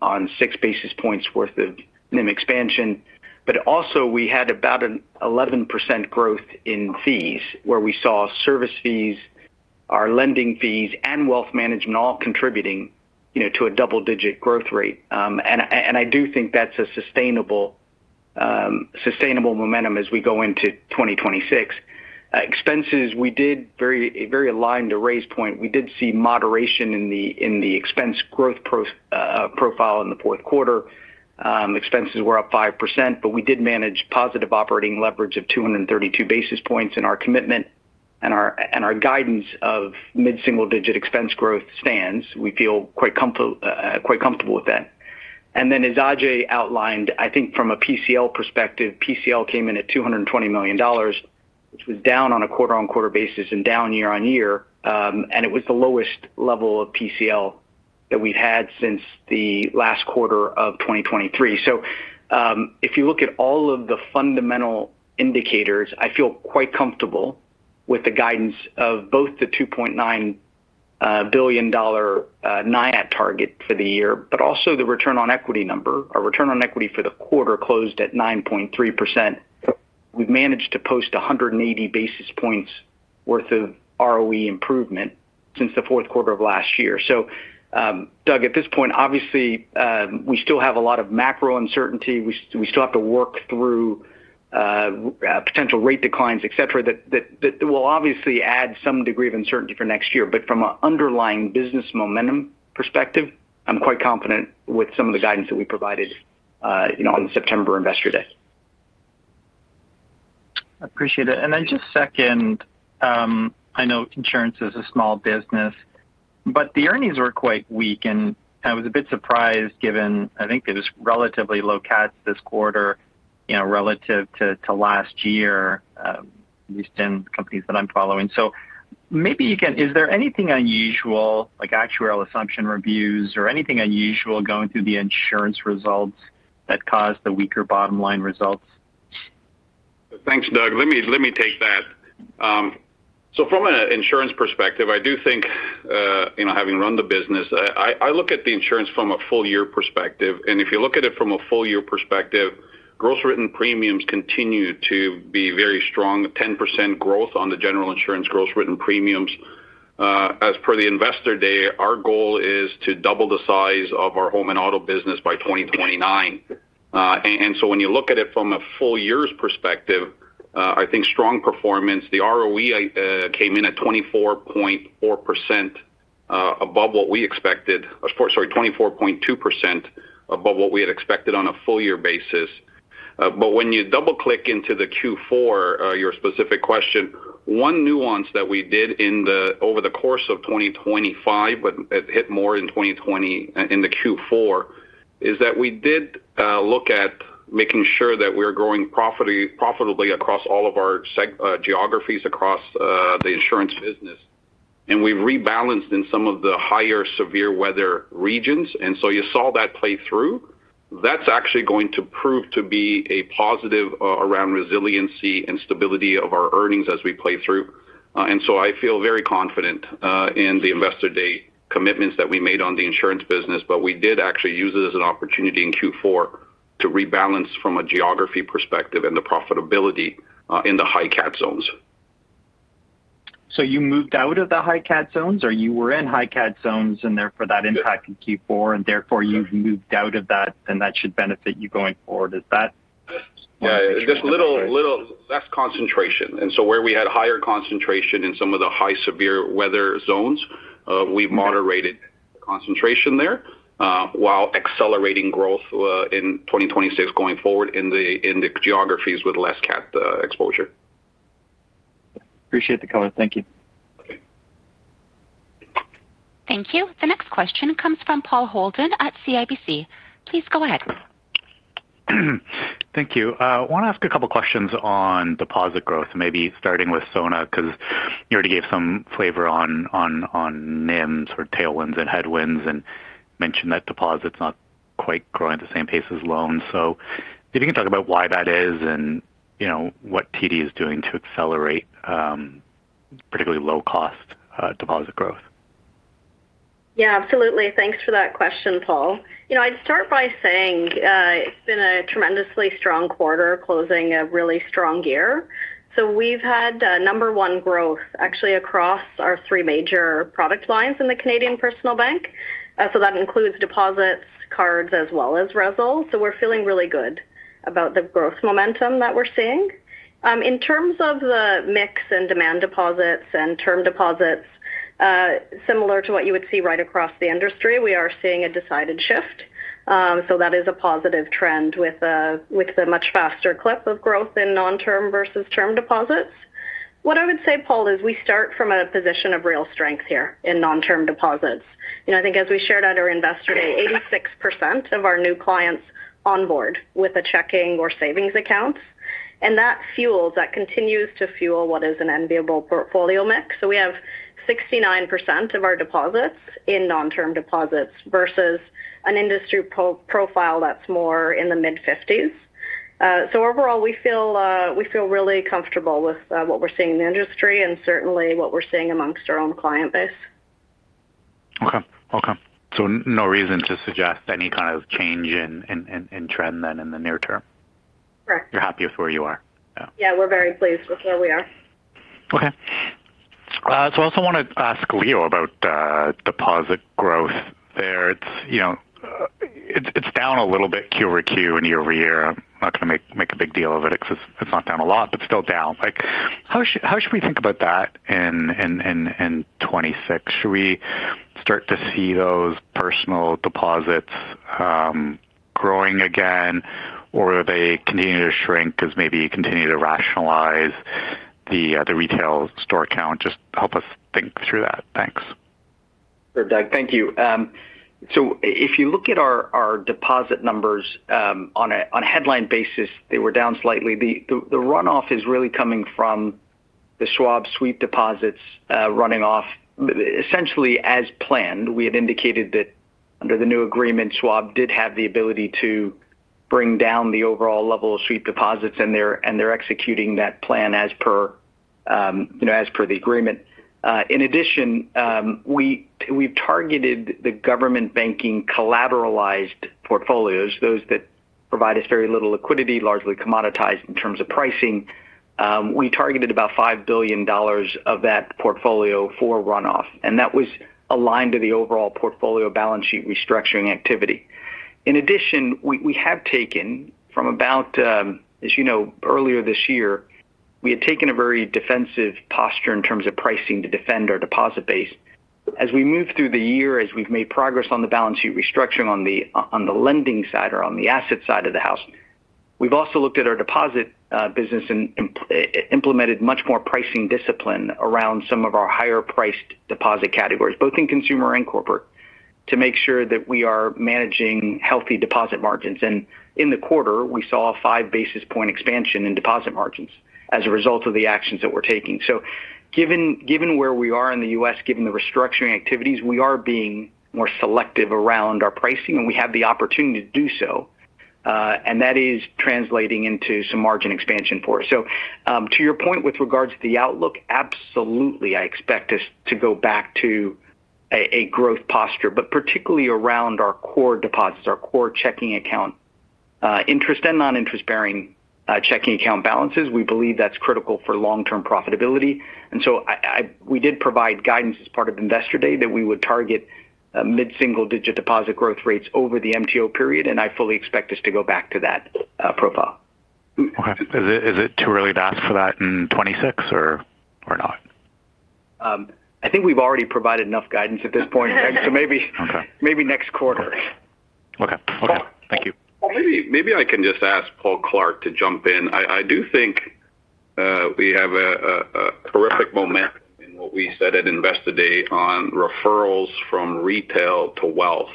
on 6 bps worth of NIM expansion. But also, we had about an 11% growth in fees, where we saw service fees, our lending fees, and wealth management all contributing to a double-digit growth rate. And I do think that's a sustainable momentum as we go into 2026. Expenses, we did very aligned to Ray's point. We did see moderation in the expense growth profile in the fourth quarter. Expenses were up 5%, but we did manage positive operating leverage of 232 bps. And our commitment and our guidance of mid-single-digit expense growth stands. We feel quite comfortable with that. And then, as Ajai outlined, I think from a PCL perspective, PCL came in at $220 million, which was down on a quarter-on-quarter basis and down year-on-year. And it was the lowest level of PCL that we've had since the last quarter of 2023. If you look at all of the fundamental indicators, I feel quite comfortable with the guidance of both the $2.9 billion NIAT target for the year, but also the return on equity number. Our return on equity for the quarter closed at 9.3%. We've managed to post 180 bps worth of ROE improvement since the fourth quarter of last year. So, Doug, at this point, obviously, we still have a lot of macro uncertainty. We still have to work through potential rate declines, etc., that will obviously add some degree of uncertainty for next year. But from an underlying business momentum perspective, I'm quite confident with some of the guidance that we provided on September Investor Day. I appreciate it and then just second, I know insurance is a small business, but the earnings were quite weak. I was a bit surprised given, I think, it was relatively low CAT this quarter relative to last year, at least in companies that I'm following. So maybe you can, is there anything unusual, like actuarial assumption reviews or anything unusual going through the insurance results that caused the weaker bottom line results? Thanks, Doug. Let me take that. So from an insurance perspective, I do think, having run the business, I look at the insurance from a full-year perspective. And if you look at it from a full-year perspective, gross written premiums continue to be very strong, 10% growth on the general insurance gross written premiums. As per the Investor Day, our goal is to double the size of our home and auto business by 2029. And so when you look at it from a full-year's perspective, I think strong performance. The ROE came in at 24.4% above what we expected, or sorry, 24.2% above what we had expected on a full-year basis, but when you double-click into the Q4, your specific question, one nuance that we did over the course of 2025, but it hit more in 2020 in the Q4, is that we did look at making sure that we're growing profitably across all of our geographies across the insurance business, and we've rebalanced in some of the higher severe weather regions, and so you saw that play through. That's actually going to prove to be a positive around resiliency and stability of our earnings as we play through, and so I feel very confident in the Investor Day commitments that we made on the insurance business. But we did actually use it as an opportunity in Q4 to rebalance from a geography perspective and the profitability in the high-CAT zones. So you moved out of the high-CAT zones or you were in high-CAT zones and therefore that impacted Q4, and therefore you've moved out of that, and that should benefit you going forward. Is that? Yeah. Just little less concentration. And so where we had higher concentration in some of the high severe weather zones, we've moderated concentration there while accelerating growth in 2026 going forward in the geographies with less CAT exposure. Appreciate the comment. Thank you. Thank you. The next question comes from Paul Holden at CIBC. Please go ahead. Thank you. I want to ask a couple of questions on deposit growth, maybe starting with Sona because you already gave some flavor on NIMs or tailwinds and headwinds and mentioned that deposits not quite growing at the same pace as loans. So if you can talk about why that is and what TD is doing to accelerate particularly low-cost deposit growth. Yeah, absolutely. Thanks for that question, Paul. I'd start by saying it's been a tremendously strong quarter closing a really strong year. So we've had number one growth actually across our three major product lines in the Canadian personal bank. So that includes deposits, cards, as well as RESL. So we're feeling really good about the growth momentum that we're seeing. In terms of the mix and demand deposits and term deposits, similar to what you would see right across the industry, we are seeing a decided shift. So that is a positive trend with the much faster clip of growth in non-term versus term deposits. What I would say, Paul, is we start from a position of real strength here in non-term deposits. I think as we shared at our Investor Day, 86% of our new clients onboard with a checking or savings account. And that fuels, that continues to fuel what is an enviable portfolio mix. So we have 69% of our deposits in non-term deposits versus an industry profile that's more in the mid-'50s. So overall, we feel really comfortable with what we're seeing in the industry and certainly what we're seeing amongst our own client base. Okay. Okay. So no reason to suggest any kind of change in trend then in the near term. Correct. You're happy with where you are. Yeah. We're very pleased with where we are. Okay. I also want to ask Leo about deposit growth there. It's down a little bit Q over Q and year-over-year. I'm not going to make a big deal of it because it's not down a lot, but still down. How should we think about that in 2026? Should we start to see those personal deposits growing again, or are they continuing to shrink as maybe you continue to rationalize the retail store account? Just help us think through that. Thanks. Sure, Doug. Thank you. So if you look at our deposit numbers on a headline basis, they were down slightly. The runoff is really coming from the Schwab sweep deposits running off essentially as planned. We had indicated that under the new agreement, Schwab did have the ability to bring down the overall level of sweep deposits, and they're executing that plan as per the agreement. In addition, we've targeted the government banking collateralized portfolios, those that provide us very little liquidity, largely commoditized in terms of pricing. We targeted about $5 billion of that portfolio for runoff, and that was aligned to the overall portfolio balance sheet restructuring activity. In addition, we have taken from about, as you know, earlier this year, we had taken a very defensive posture in terms of pricing to defend our deposit base. As we move through the year, as we've made progress on the balance sheet restructuring on the lending side or on the asset side of the house, we've also looked at our deposit business and implemented much more pricing discipline around some of our higher-priced deposit categories, both in consumer and corporate, to make sure that we are managing healthy deposit margins. In the quarter, we saw a 5 bp expansion in deposit margins as a result of the actions that we're taking. Given where we are in the U.S., given the restructuring activities, we are being more selective around our pricing, and we have the opportunity to do so. That is translating into some margin expansion for us. To your point with regards to the outlook, absolutely, I expect us to go back to a growth posture, but particularly around our core deposits, our core checking account, interest and non-interest-bearing checking account balances. We believe that's critical for long-term profitability. We did provide guidance as part of Investor Day that we would target mid-single-digit deposit growth rates over the MTO period, and I fully expect us to go back to that profile. Okay. Is it too early to ask for that in 2026 or not? I think we've already provided enough guidance at this point, Doug. So maybe next quarter. Okay. Okay. Thank you. Maybe I can just ask Paul Clark to jump in. I do think we have strong momentum in what we said at Investor Day on referrals from retail to wealth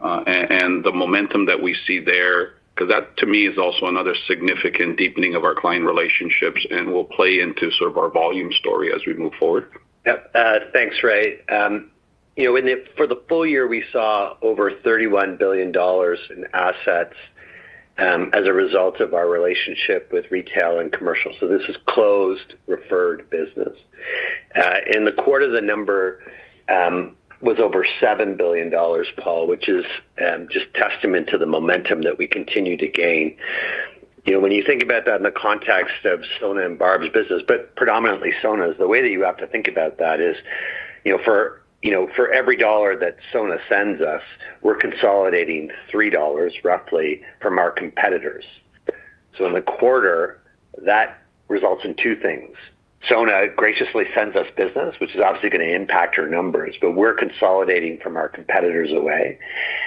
and the momentum that we see there, because that, to me, is also another significant deepening of our client relationships and will play into sort of our volume story as we move forward. Yep. Thanks, Ray. For the full year, we saw over $31 billion in assets as a result of our relationship with retail and commercial. So this is closed referred business. In the quarter, the number was over $7 billion, Paul, which is just testament to the momentum that we continue to gain. When you think about that in the context of Sona and Barb's business, but predominantly Sona's, the way that you have to think about that is for every dollar that Sona sends us, we're consolidating $3 roughly from our competitors. So in the quarter, that results in two things. Sona graciously sends us business, which is obviously going to impact our numbers, but we're consolidating from our competitors away.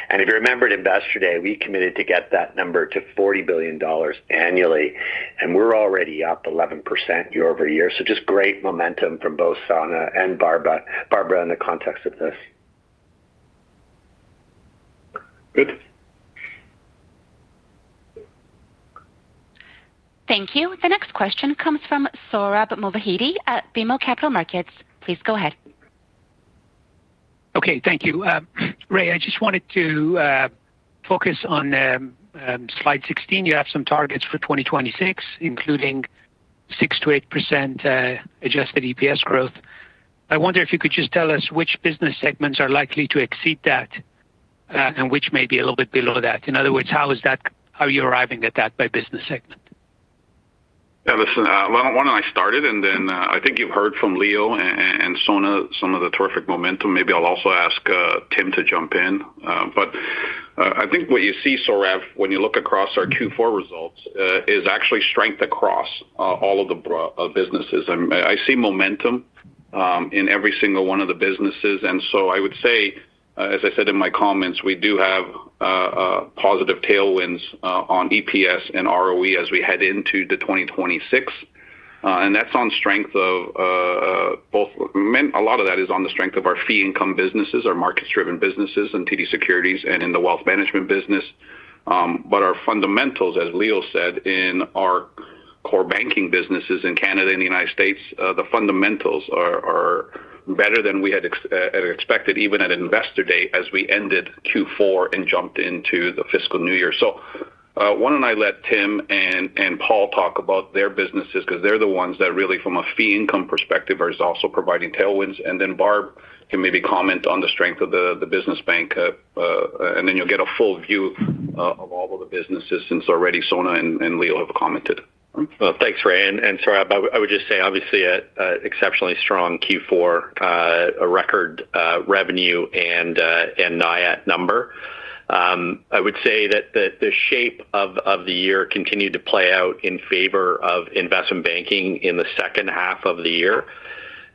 And if you remember at Investor Day, we committed to get that number to $40 billion annually, and we're already up 11% year-over-year. So just great momentum from both Sona and Barbara in the context of this. Thank you. The next question comes from Sohrab Movahedi at BMO Capital Markets. Please go ahead. Okay. Thank you. Ray, I just wanted to focus on slide 16. You have some targets for 2026, including 6% to 8% adjusted EPS growth. I wonder if you could just tell us which business segments are likely to exceed that and which may be a little bit below that. In other words, how are you arriving at that by business segment? Yeah. Listen, one I started, and then I think you've heard from Leo and Sona, some of the terrific momentum. Maybe I'll also ask Tim to jump in. But I think what you see, Sohrab, when you look across our Q4 results is actually strength across all of the businesses. I see momentum in every single one of the businesses. And so I would say, as I said in my comments, we do have positive tailwinds on EPS and ROE as we head into the 2026. And that's on strength of both. A lot of that is on the strength of our fee-income businesses, our market-driven businesses in TD Securities and in the wealth management business. But our fundamentals, as Leo said, in our core banking businesses in Canada and the United States, the fundamentals are better than we had expected even at Investor Day as we ended Q4 and jumped into the fiscal new year. So why don't I let Tim and Paul talk about their businesses because they're the ones that really, from a fee-income perspective, are also providing tailwinds. And then Barb can maybe comment on the strength of the Business Bank, and then you'll get a full view of all of the businesses since already Sona and Leo have commented. Thanks, Ray. And Sohrab, I would just say, obviously, an exceptionally strong Q4 record revenue and NIAT number. I would say that the shape of the year continued to play out in favor of investment banking in the second half of the year.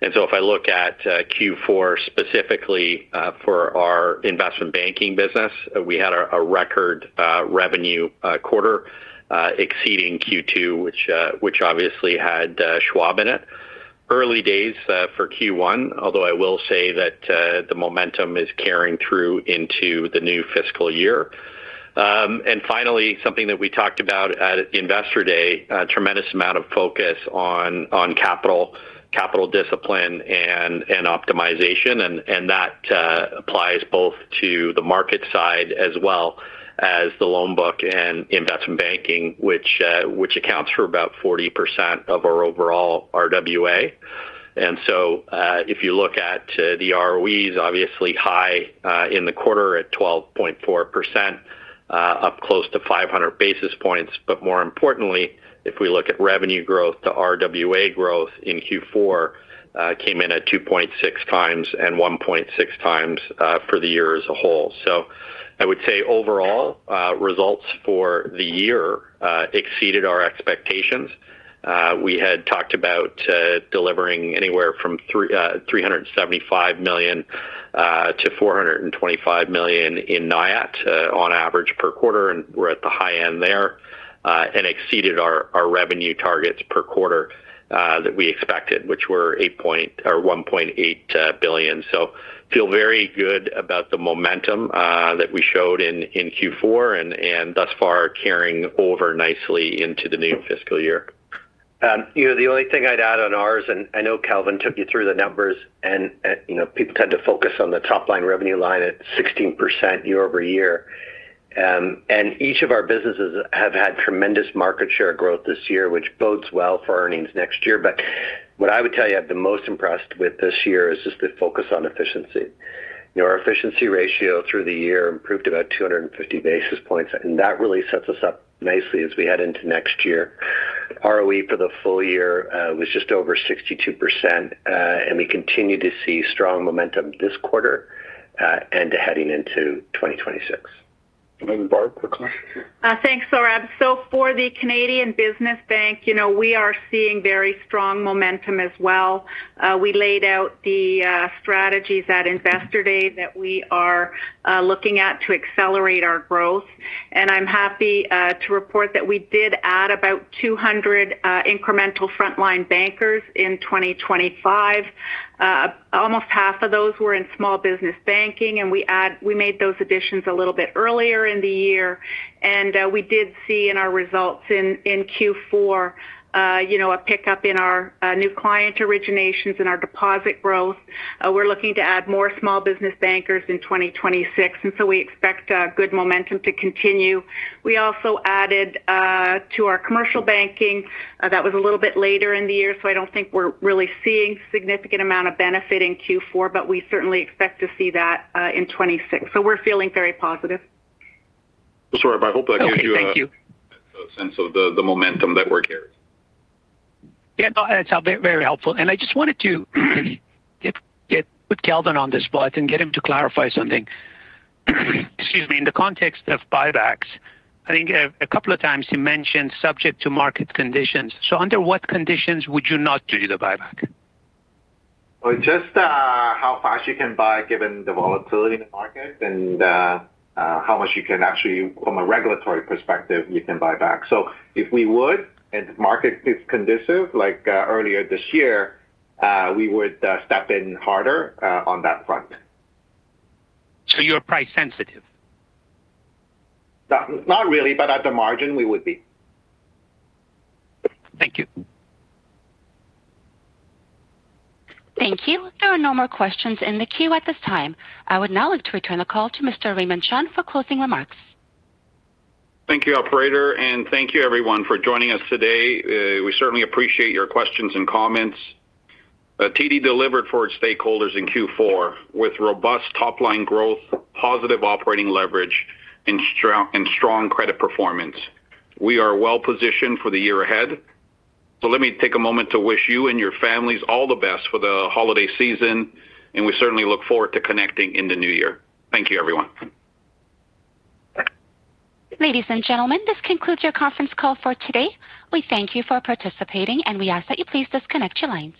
And so if I look at Q4 specifically for our investment banking business, we had a record revenue quarter exceeding Q2, which obviously had Schwab in it. Early days for Q1, although I will say that the momentum is carrying through into the new fiscal year. And finally, something that we talked about at Investor Day, a tremendous amount of focus on capital, capital discipline, and optimization. And that applies both to the market side as well as the loan book and investment banking, which accounts for about 40% of our overall RWA. And so if you look at the ROEs, obviously high in the quarter at 12.4%, up close to 500 bps. But more importantly, if we look at revenue growth, the RWA growth in Q4 came in at 2.6x and 1.6x for the year as a whole. So I would say overall, results for the year exceeded our expectations. We had talked about delivering anywhere from $375 million to $425 million in NIAT on average per quarter, and we're at the high end there and exceeded our revenue targets per quarter that we expected, which were $1.8 billion. So feel very good about the momentum that we showed in Q4 and thus far carrying over nicely into the new fiscal year. The only thing I'd add on ours, and I know Kelvin took you through the numbers, and people tend to focus on the top-line revenue line at 16% year-over-year. And each of our businesses have had tremendous market share growth this year, which bodes well for earnings next year. But what I would tell you I've been most impressed with this year is just the focus on efficiency. Our efficiency ratio through the year improved about 250 bps, and that really sets us up nicely as we head into next year. ROE for the full year was just over 62%, and we continue to see strong momentum this quarter and heading into 2026. And Barb, quickly. Thanks, Sohrab. So for the Canadian Business Bank, we are seeing very strong momentum as well. We laid out the strategies at Investor Day that we are looking at to accelerate our growth. And I'm happy to report that we did add about 200 incremental frontline bankers in 2025. Almost half of those were in small business banking, and we made those additions a little bit earlier in the year, and we did see in our results in Q4 a pickup in our new client originations and our deposit growth. We're looking to add more small business bankers in 2026, and so we expect good momentum to continue. We also added to our commercial banking. That was a little bit later in the year, so I don't think we're really seeing a significant amount of benefit in Q4, but we certainly expect to see that in 2026, so we're feeling very positive. Sohrab, I hope that gives you a sense of the momentum that we're carrying. Yeah. No, that sounds very helpful. And I just wanted to get with Kelvin on this but get him to clarify something. Excuse me. In the context of buybacks, I think a couple of times he mentioned subject to market conditions. So under what conditions would you not do the buyback? Just how fast you can buy given the volatility in the market and how much you can actually, from a regulatory perspective, you can buy back. So if we would, and the market is conducive, like earlier this year, we would step in harder on that front. So you're price-sensitive? Not really, but at the margin, we would be. Thank you. Thank you. There are no more questions in the queue at this time. I would now like to return the call to Mr. Raymond Chun for closing remarks. Thank you, Operator, and thank you, everyone, for joining us today. We certainly appreciate your questions and comments. TD delivered for its stakeholders in Q4 with robust top-line growth, positive operating leverage, and strong credit performance. We are well-positioned for the year ahead. So let me take a moment to wish you and your families all the best for the holiday season, and we certainly look forward to connecting in the new year. Thank you, everyone. Ladies and gentlemen, this concludes your conference call for today. We thank you for participating, and we ask that you please disconnect your lines.